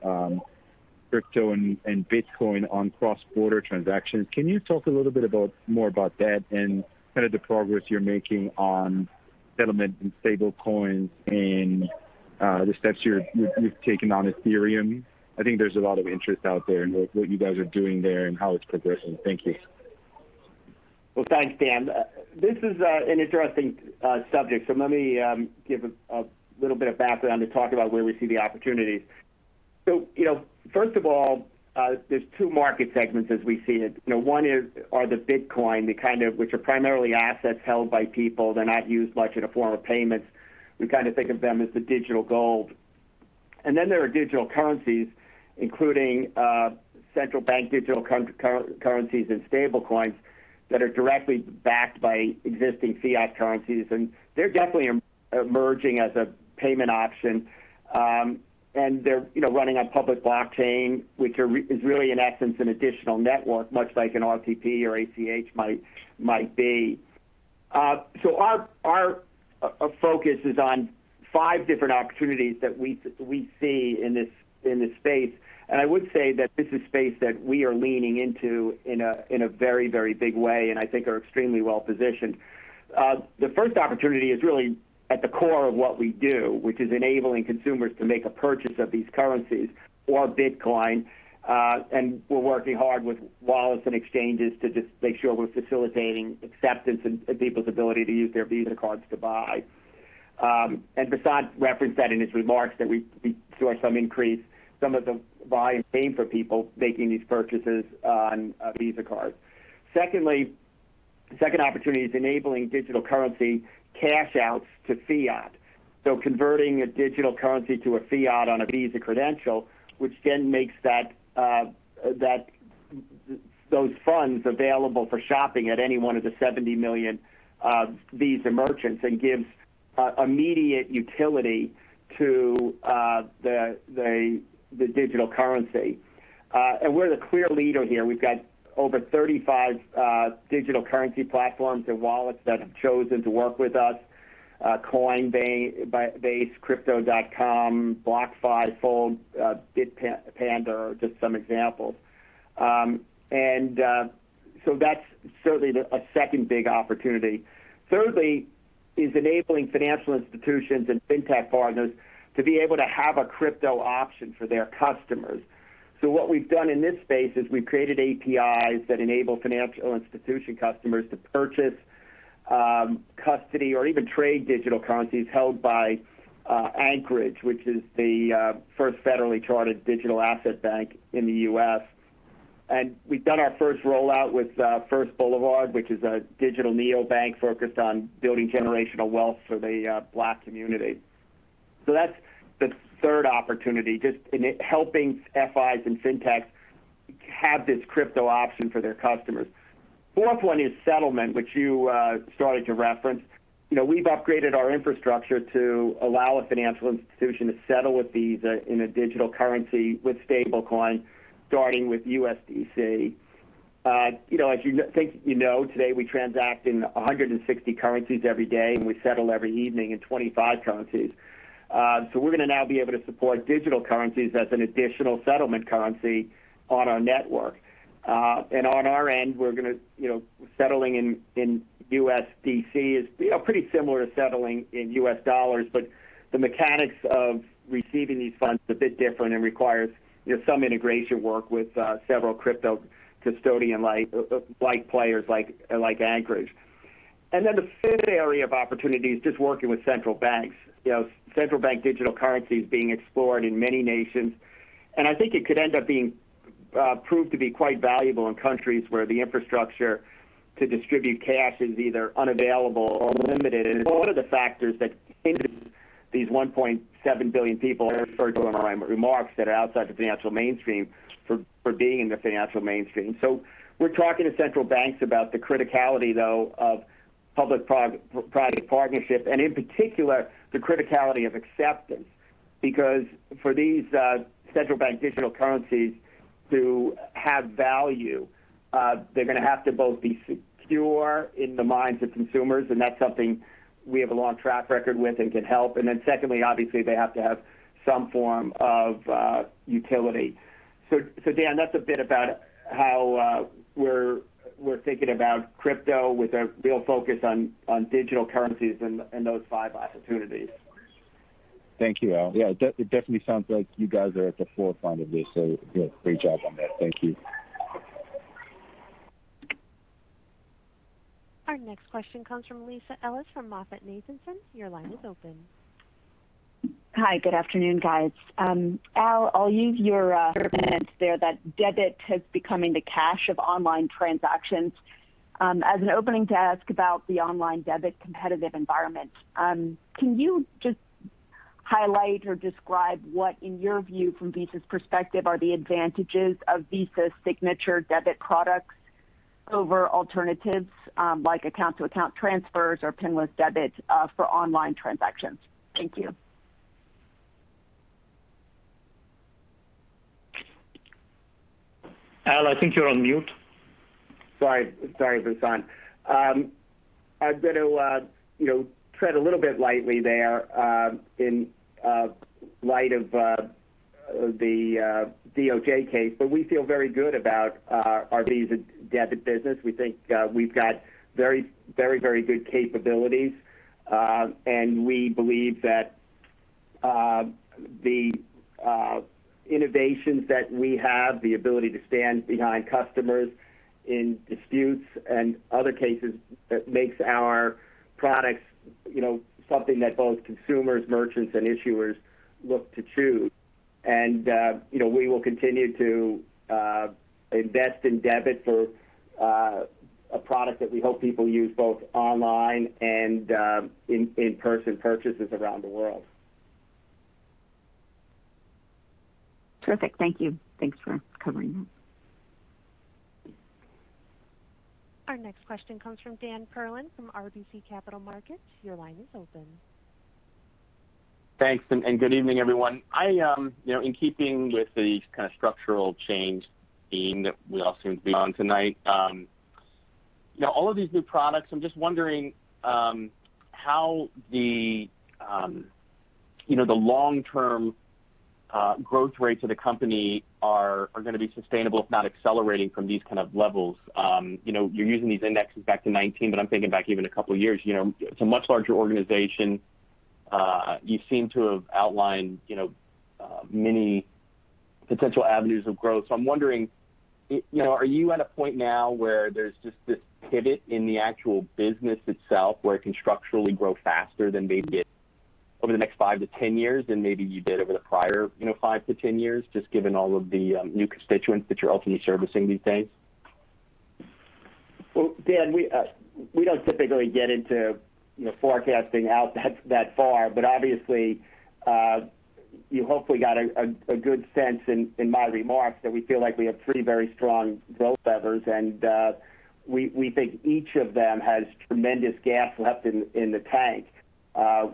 crypto and Bitcoin on cross-border transactions. Can you talk a little bit more about that and the progress you're making on settlement and stablecoins and the steps you've taken on Ethereum? I think there's a lot of interest out there in what you guys are doing there and how it's progressing. Thank you. Well, thanks, Dan. This is an interesting subject, let me give a little bit of background to talk about where we see the opportunities. First of all, there's two market segments as we see it. One are the Bitcoin, which are primarily assets held by people. They're not used much in a form of payments. We kind of think of them as the digital gold. Then there are digital currencies, including central bank digital currencies and stablecoins that are directly backed by existing fiat currencies, and they're definitely emerging as a payment option. They're running on public blockchain, which is really in essence an additional network, much like an RTP or ACH might be. Our focus is on five different opportunities that we see in this space, and I would say that this is space that we are leaning into in a very, very big way, and I think are extremely well-positioned. The first opportunity is really at the core of what we do, which is enabling consumers to make a purchase of these currencies or Bitcoin, and we're working hard with wallets and exchanges to just make sure we're facilitating acceptance and people's ability to use their Visa cards to buy. Vasant referenced that in his remarks that we saw some increase, some of the [volume gain] for people making these purchases on Visa cards. The second opportunity is enabling digital currency cash outs to fiat. Converting a digital currency to a fiat on a Visa credential, which then makes those funds available for shopping at any one of the 70 million Visa merchants and gives immediate utility to the digital currency. We're the clear leader here. We've got over 35 digital currency platforms and wallets that have chosen to work with us. Coinbase, Crypto.com, BlockFi, Fold, Bitpanda are just some examples. That's certainly a second big opportunity. Thirdly is enabling financial institutions and fintech partners to be able to have a crypto option for their customers. What we've done in this space is we've created APIs that enable financial institution customers to purchase, custody, or even trade digital currencies held by Anchorage, which is the first federally chartered digital asset bank in the U.S. We've done our first rollout with First Boulevard, which is a digital neobank focused on building generational wealth for the Black community. That's the third opportunity, just in helping FIs and fintechs have this crypto option for their customers. Fourth one is settlement, which you started to reference. We've upgraded our infrastructure to allow a financial institution to settle with these in a digital currency with stablecoin, starting with USDC. You know, today, we transact in 160 currencies every day, and we settle every evening in 25 currencies. We're going to now be able to support digital currencies as an additional settlement currency on our network. On our end, we're going to be settling in USDC, pretty similar to settling in U.S. dollars, but the mechanics of receiving these funds is a bit different and requires some integration work with several crypto custodian-like players, like Anchorage. The fifth area of opportunity is just working with central banks. Central bank digital currency is being explored in many nations, and I think it could end up being proved to be quite valuable in countries where the infrastructure to distribute cash is either unavailable or limited. It's one of the factors that influences these 1.7 billion people, I referred to in my remarks, that are outside the financial mainstream from being in the financial mainstream. We're talking to central banks about the criticality, though, of public-private partnership, and in particular, the criticality of acceptance. For these central bank digital currencies to have value, they're going to have to both be secure in the minds of consumers, and that's something we have a long track record with and can help. Secondly, obviously, they have to have some form of utility. Dan, that's a bit about how we're thinking about crypto with a real focus on digital currencies and those five opportunities. Thank you, Al. Yeah, it definitely sounds like you guys are at the forefront of this. Great job on that. Thank you. Our next question comes from Lisa Ellis from MoffettNathanson. Your line is open. Hi. Good afternoon, guys. Al, I'll use your comment there that debit is becoming the cash of online transactions as an opening to ask about the online debit competitive environment. Can you just highlight or describe what, in your view, from Visa's perspective, are the advantages of Visa's Signature debit products over alternatives like account-to-account transfers or PIN-less debits for online transactions? Thank you. Al, I think you're on mute. Sorry, Vasant. I'm going to tread a little bit lightly there in light of the DOJ case. We feel very good about our Visa Debit business. We think we've got very, very good capabilities. We believe that the innovations that we have, the ability to stand behind customers in disputes and other cases, makes our products something that both consumers, merchants, and issuers look to choose. We will continue to invest in debit for a product that we hope people use both online and in-person purchases around the world. Terrific. Thank you. Thanks for covering that. Our next question comes from Dan Perlin from RBC Capital Markets. Your line is open. Thanks, and good evening, everyone. In keeping with the kind of structural change theme that we all seem to be on tonight, all of these new products, I'm just wondering how the long-term growth rates of the company are going to be sustainable, if not accelerating from these kind of levels. You're using these indexes back to 2019, I'm thinking back even a couple of years. It's a much larger organization. You seem to have outlined many potential avenues of growth. I'm wondering, are you at a point now where there's just this pivot in the actual business itself where it can structurally grow faster than maybe it did over the next 5-10 years than maybe you did over the prior 5-10 years, just given all of the new constituents that you're ultimately servicing these days? Well, Dan, we don't typically get into forecasting out that far. Obviously, you hopefully got a good sense in my remarks that we feel like we have three very strong growth levers, and we think each of them has tremendous gas left in the tank. Our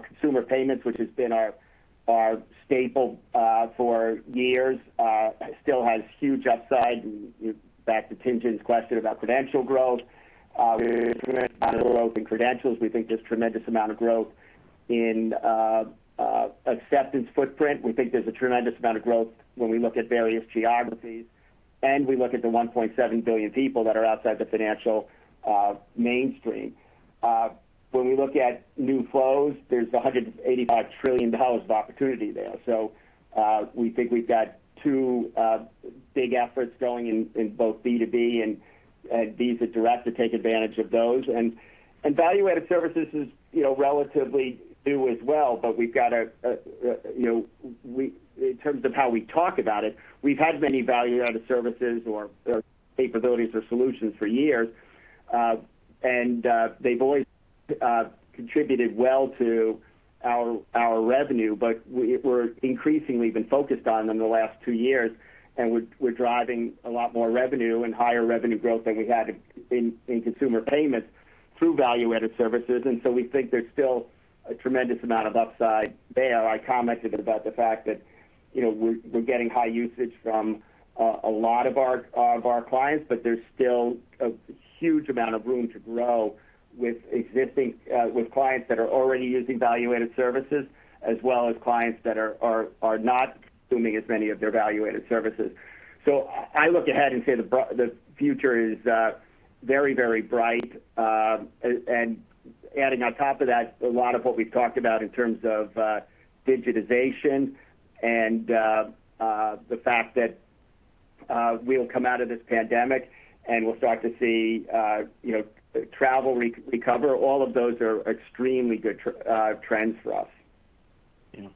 consumer payments, which has been our staple for years, still has huge upside. Back to Tien-Tsin's question about credential growth, there's tremendous amount of growth in credentials. We think there's tremendous amount of growth in acceptance footprint. We think there's a tremendous amount of growth when we look at various geographies, and we look at the 1.7 billion people that are outside the financial mainstream. When we look at new flows, there's $185 trillion of opportunity there. We think we've got two big efforts going in both B2B and Visa Direct to take advantage of those. Value-added services is relatively new as well. In terms of how we talk about it, we've had many value-added services or capabilities or solutions for years. They've always contributed well to our revenue, but we're increasingly been focused on them the last two years, and we're driving a lot more revenue and higher revenue growth than we had in consumer payments through value-added services. We think there's still a tremendous amount of upside there. I commented about the fact that we're getting high usage from a lot of our clients, but there's still a huge amount of room to grow with clients that are already using value-added services, as well as clients that are not consuming as many of their value-added services. I look ahead and say the future is very, very bright. Adding on top of that, a lot of what we've talked about in terms of digitization and the fact that we'll come out of this pandemic, and we'll start to see travel recover, all of those are extremely good trends for us. Yeah.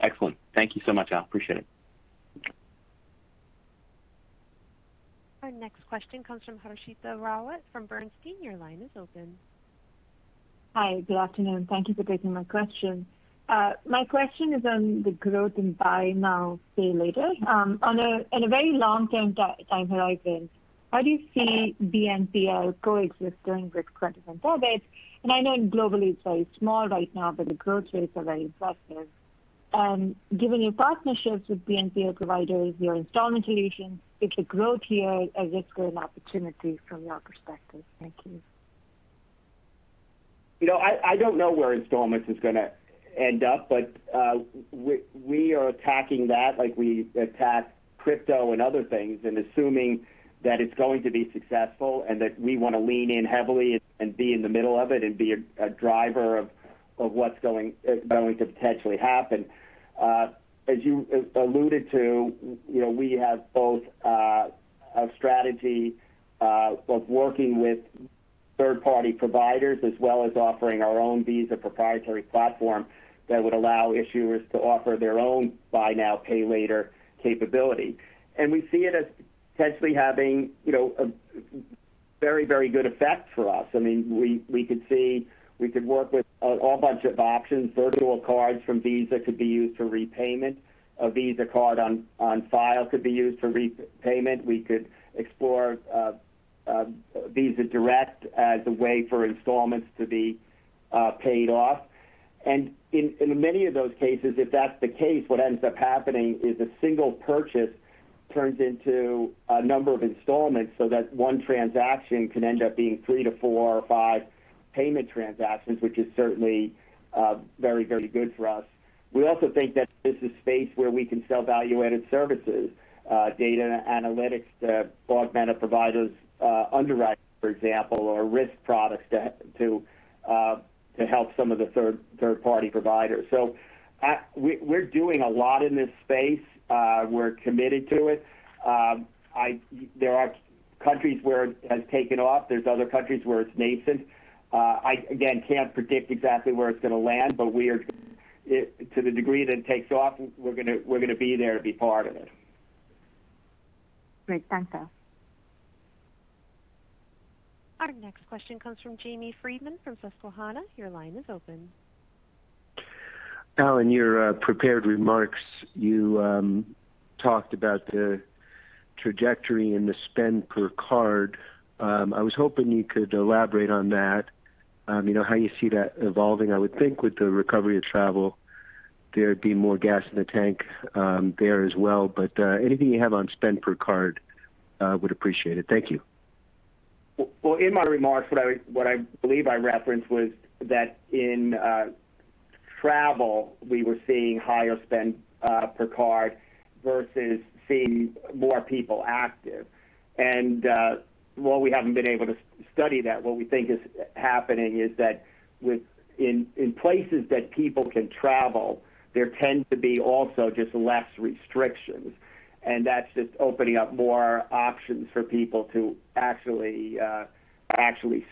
Excellent. Thank you so much, Al. Appreciate it. Our next question comes from Harshita Rawat from Bernstein. Your line is open. Hi. Good afternoon. Thank you for taking my question. My question is on the growth in buy now, pay later. On a very long-term time horizon, how do you see BNPL coexisting with credit and debit? I know globally it's very small right now, but the growth rates are very impressive. Given your partnerships with BNPL providers, your installment solutions, is the growth here a risk or an opportunity from your perspective? Thank you. I don't know where installments is going to end up, but we are attacking that like we attack crypto and other things, and assuming that it's going to be successful and that we want to lean in heavily and be in the middle of it and be a driver of what's going to potentially happen. As you alluded to, we have both a strategy of working with third-party providers as well as offering our own Visa proprietary platform that would allow issuers to offer their own buy now, pay later capability. We see it as potentially having a very, very good effect for us. We could work with a whole bunch of options. Virtual cards from Visa could be used for repayment. A Visa card on file could be used for repayment. We could explore Visa Direct as a way for installments to be paid off. In many of those cases, if that's the case, what ends up happening is a single purchase turns into a number of installments so that one transaction can end up being three to four or five payment transactions, which is certainly very good for us. We also think that this is space where we can sell value-added services, data analytics to augment a provider's underwriting, for example, or risk products to help some of the third-party providers. We're doing a lot in this space. We're committed to it. There are countries where it has taken off. There's other countries where it's nascent. I, again, can't predict exactly where it's going to land, but to the degree that it takes off, we're going to be there to be part of it. Great. Thank you. Our next question comes from Jamie Friedman from Susquehanna. Your line is open. Al, in your prepared remarks, you talked about the trajectory and the spend per card. I was hoping you could elaborate on that, how you see that evolving. I would think with the recovery of travel, there'd be more gas in the tank there as well. Anything you have on spend per card, would appreciate it. Thank you. Well, in my remarks, what I believe I referenced was that in travel, we were seeing higher spend per card versus seeing more people active. While we haven't been able to study that, what we think is happening is that in places that people can travel, there tend to be also just less restrictions, and that's just opening up more options for people to actually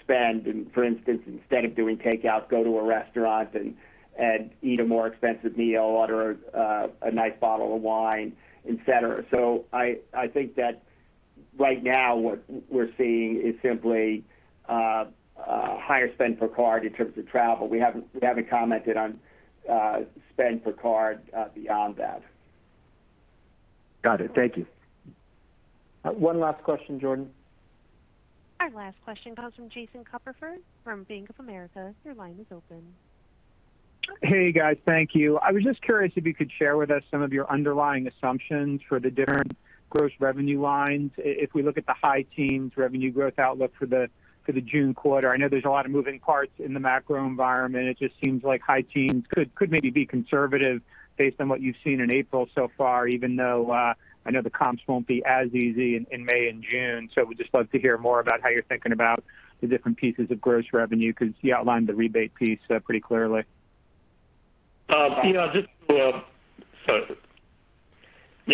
spend. For instance, instead of doing takeout, go to a restaurant and eat a more expensive meal, order a nice bottle of wine, et cetera. I think that right now what we're seeing is simply a higher spend per card in terms of travel. We haven't commented on spend per card beyond that. Got it. Thank you. One last question, Jordan. Our last question comes from Jason Kupferberg from Bank of America. Your line is open. Hey, guys. Thank you. I was just curious if you could share with us some of your underlying assumptions for the different gross revenue lines. If we look at the high teens revenue growth outlook for the June quarter, I know there's a lot of moving parts in the macro environment. It just seems like high teens could maybe be conservative based on what you've seen in April so far, even though I know the comps won't be as easy in May and June. Would just love to hear more about how you're thinking about the different pieces of gross revenue, because you outlined the rebate piece pretty clearly. Yeah,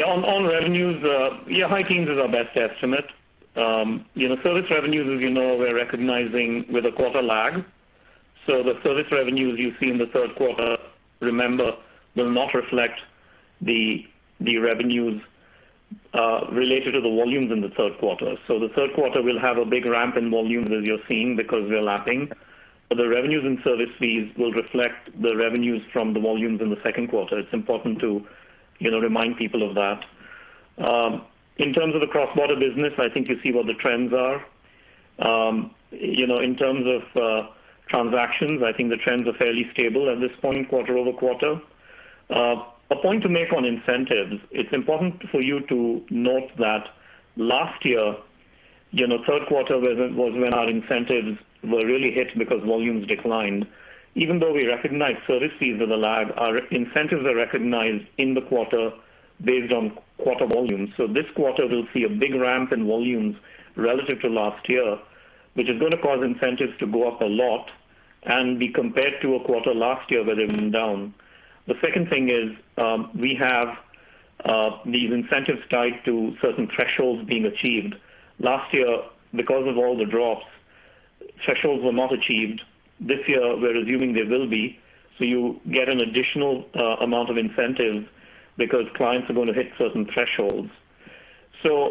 on revenues, high teens is our best estimate. Service revenues, as you know, we're recognizing with a quarter lag. The service revenues you see in the third quarter, remember, will not reflect the revenues related to the volumes in the third quarter. The third quarter will have a big ramp in volumes as you're seeing because we are lapping, but the revenues and service fees will reflect the revenues from the volumes in the second quarter. It's important to remind people of that. In terms of the cross-border business, I think you see what the trends are. In terms of transactions, I think the trends are fairly stable at this point quarter-over-quarter. A point to make on incentives, it's important for you to note that last year, third quarter was when our incentives were really hit because volumes declined. Even though we recognize service fees with a lag, our incentives are recognized in the quarter based on quarter volumes. This quarter we'll see a big ramp in volumes relative to last year, which is going to cause incentives to go up a lot and be compared to a quarter last year where they went down. The second thing is, we have these incentives tied to certain thresholds being achieved. Last year, because of all the drops, thresholds were not achieved. This year, we're assuming they will be, so you get an additional amount of incentive because clients are going to hit certain thresholds.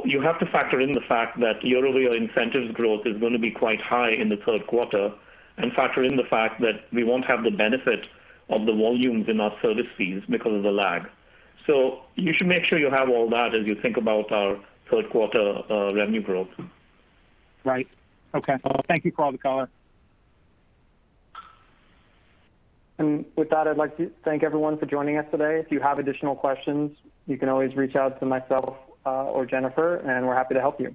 You have to factor in the fact that year-over-year incentives growth is going to be quite high in the third quarter and factor in the fact that we won't have the benefit of the volumes in our service fees because of the lag. You should make sure you have all that as you think about our third quarter revenue growth. Right. Okay. Thank you for all the color. With that, I'd like to thank everyone for joining us today. If you have additional questions, you can always reach out to myself or Jennifer, and we're happy to help you.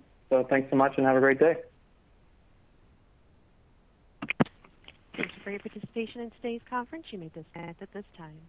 Thanks so much and have a great day. Thank you for your participation in today's conference. You may disconnect at this time.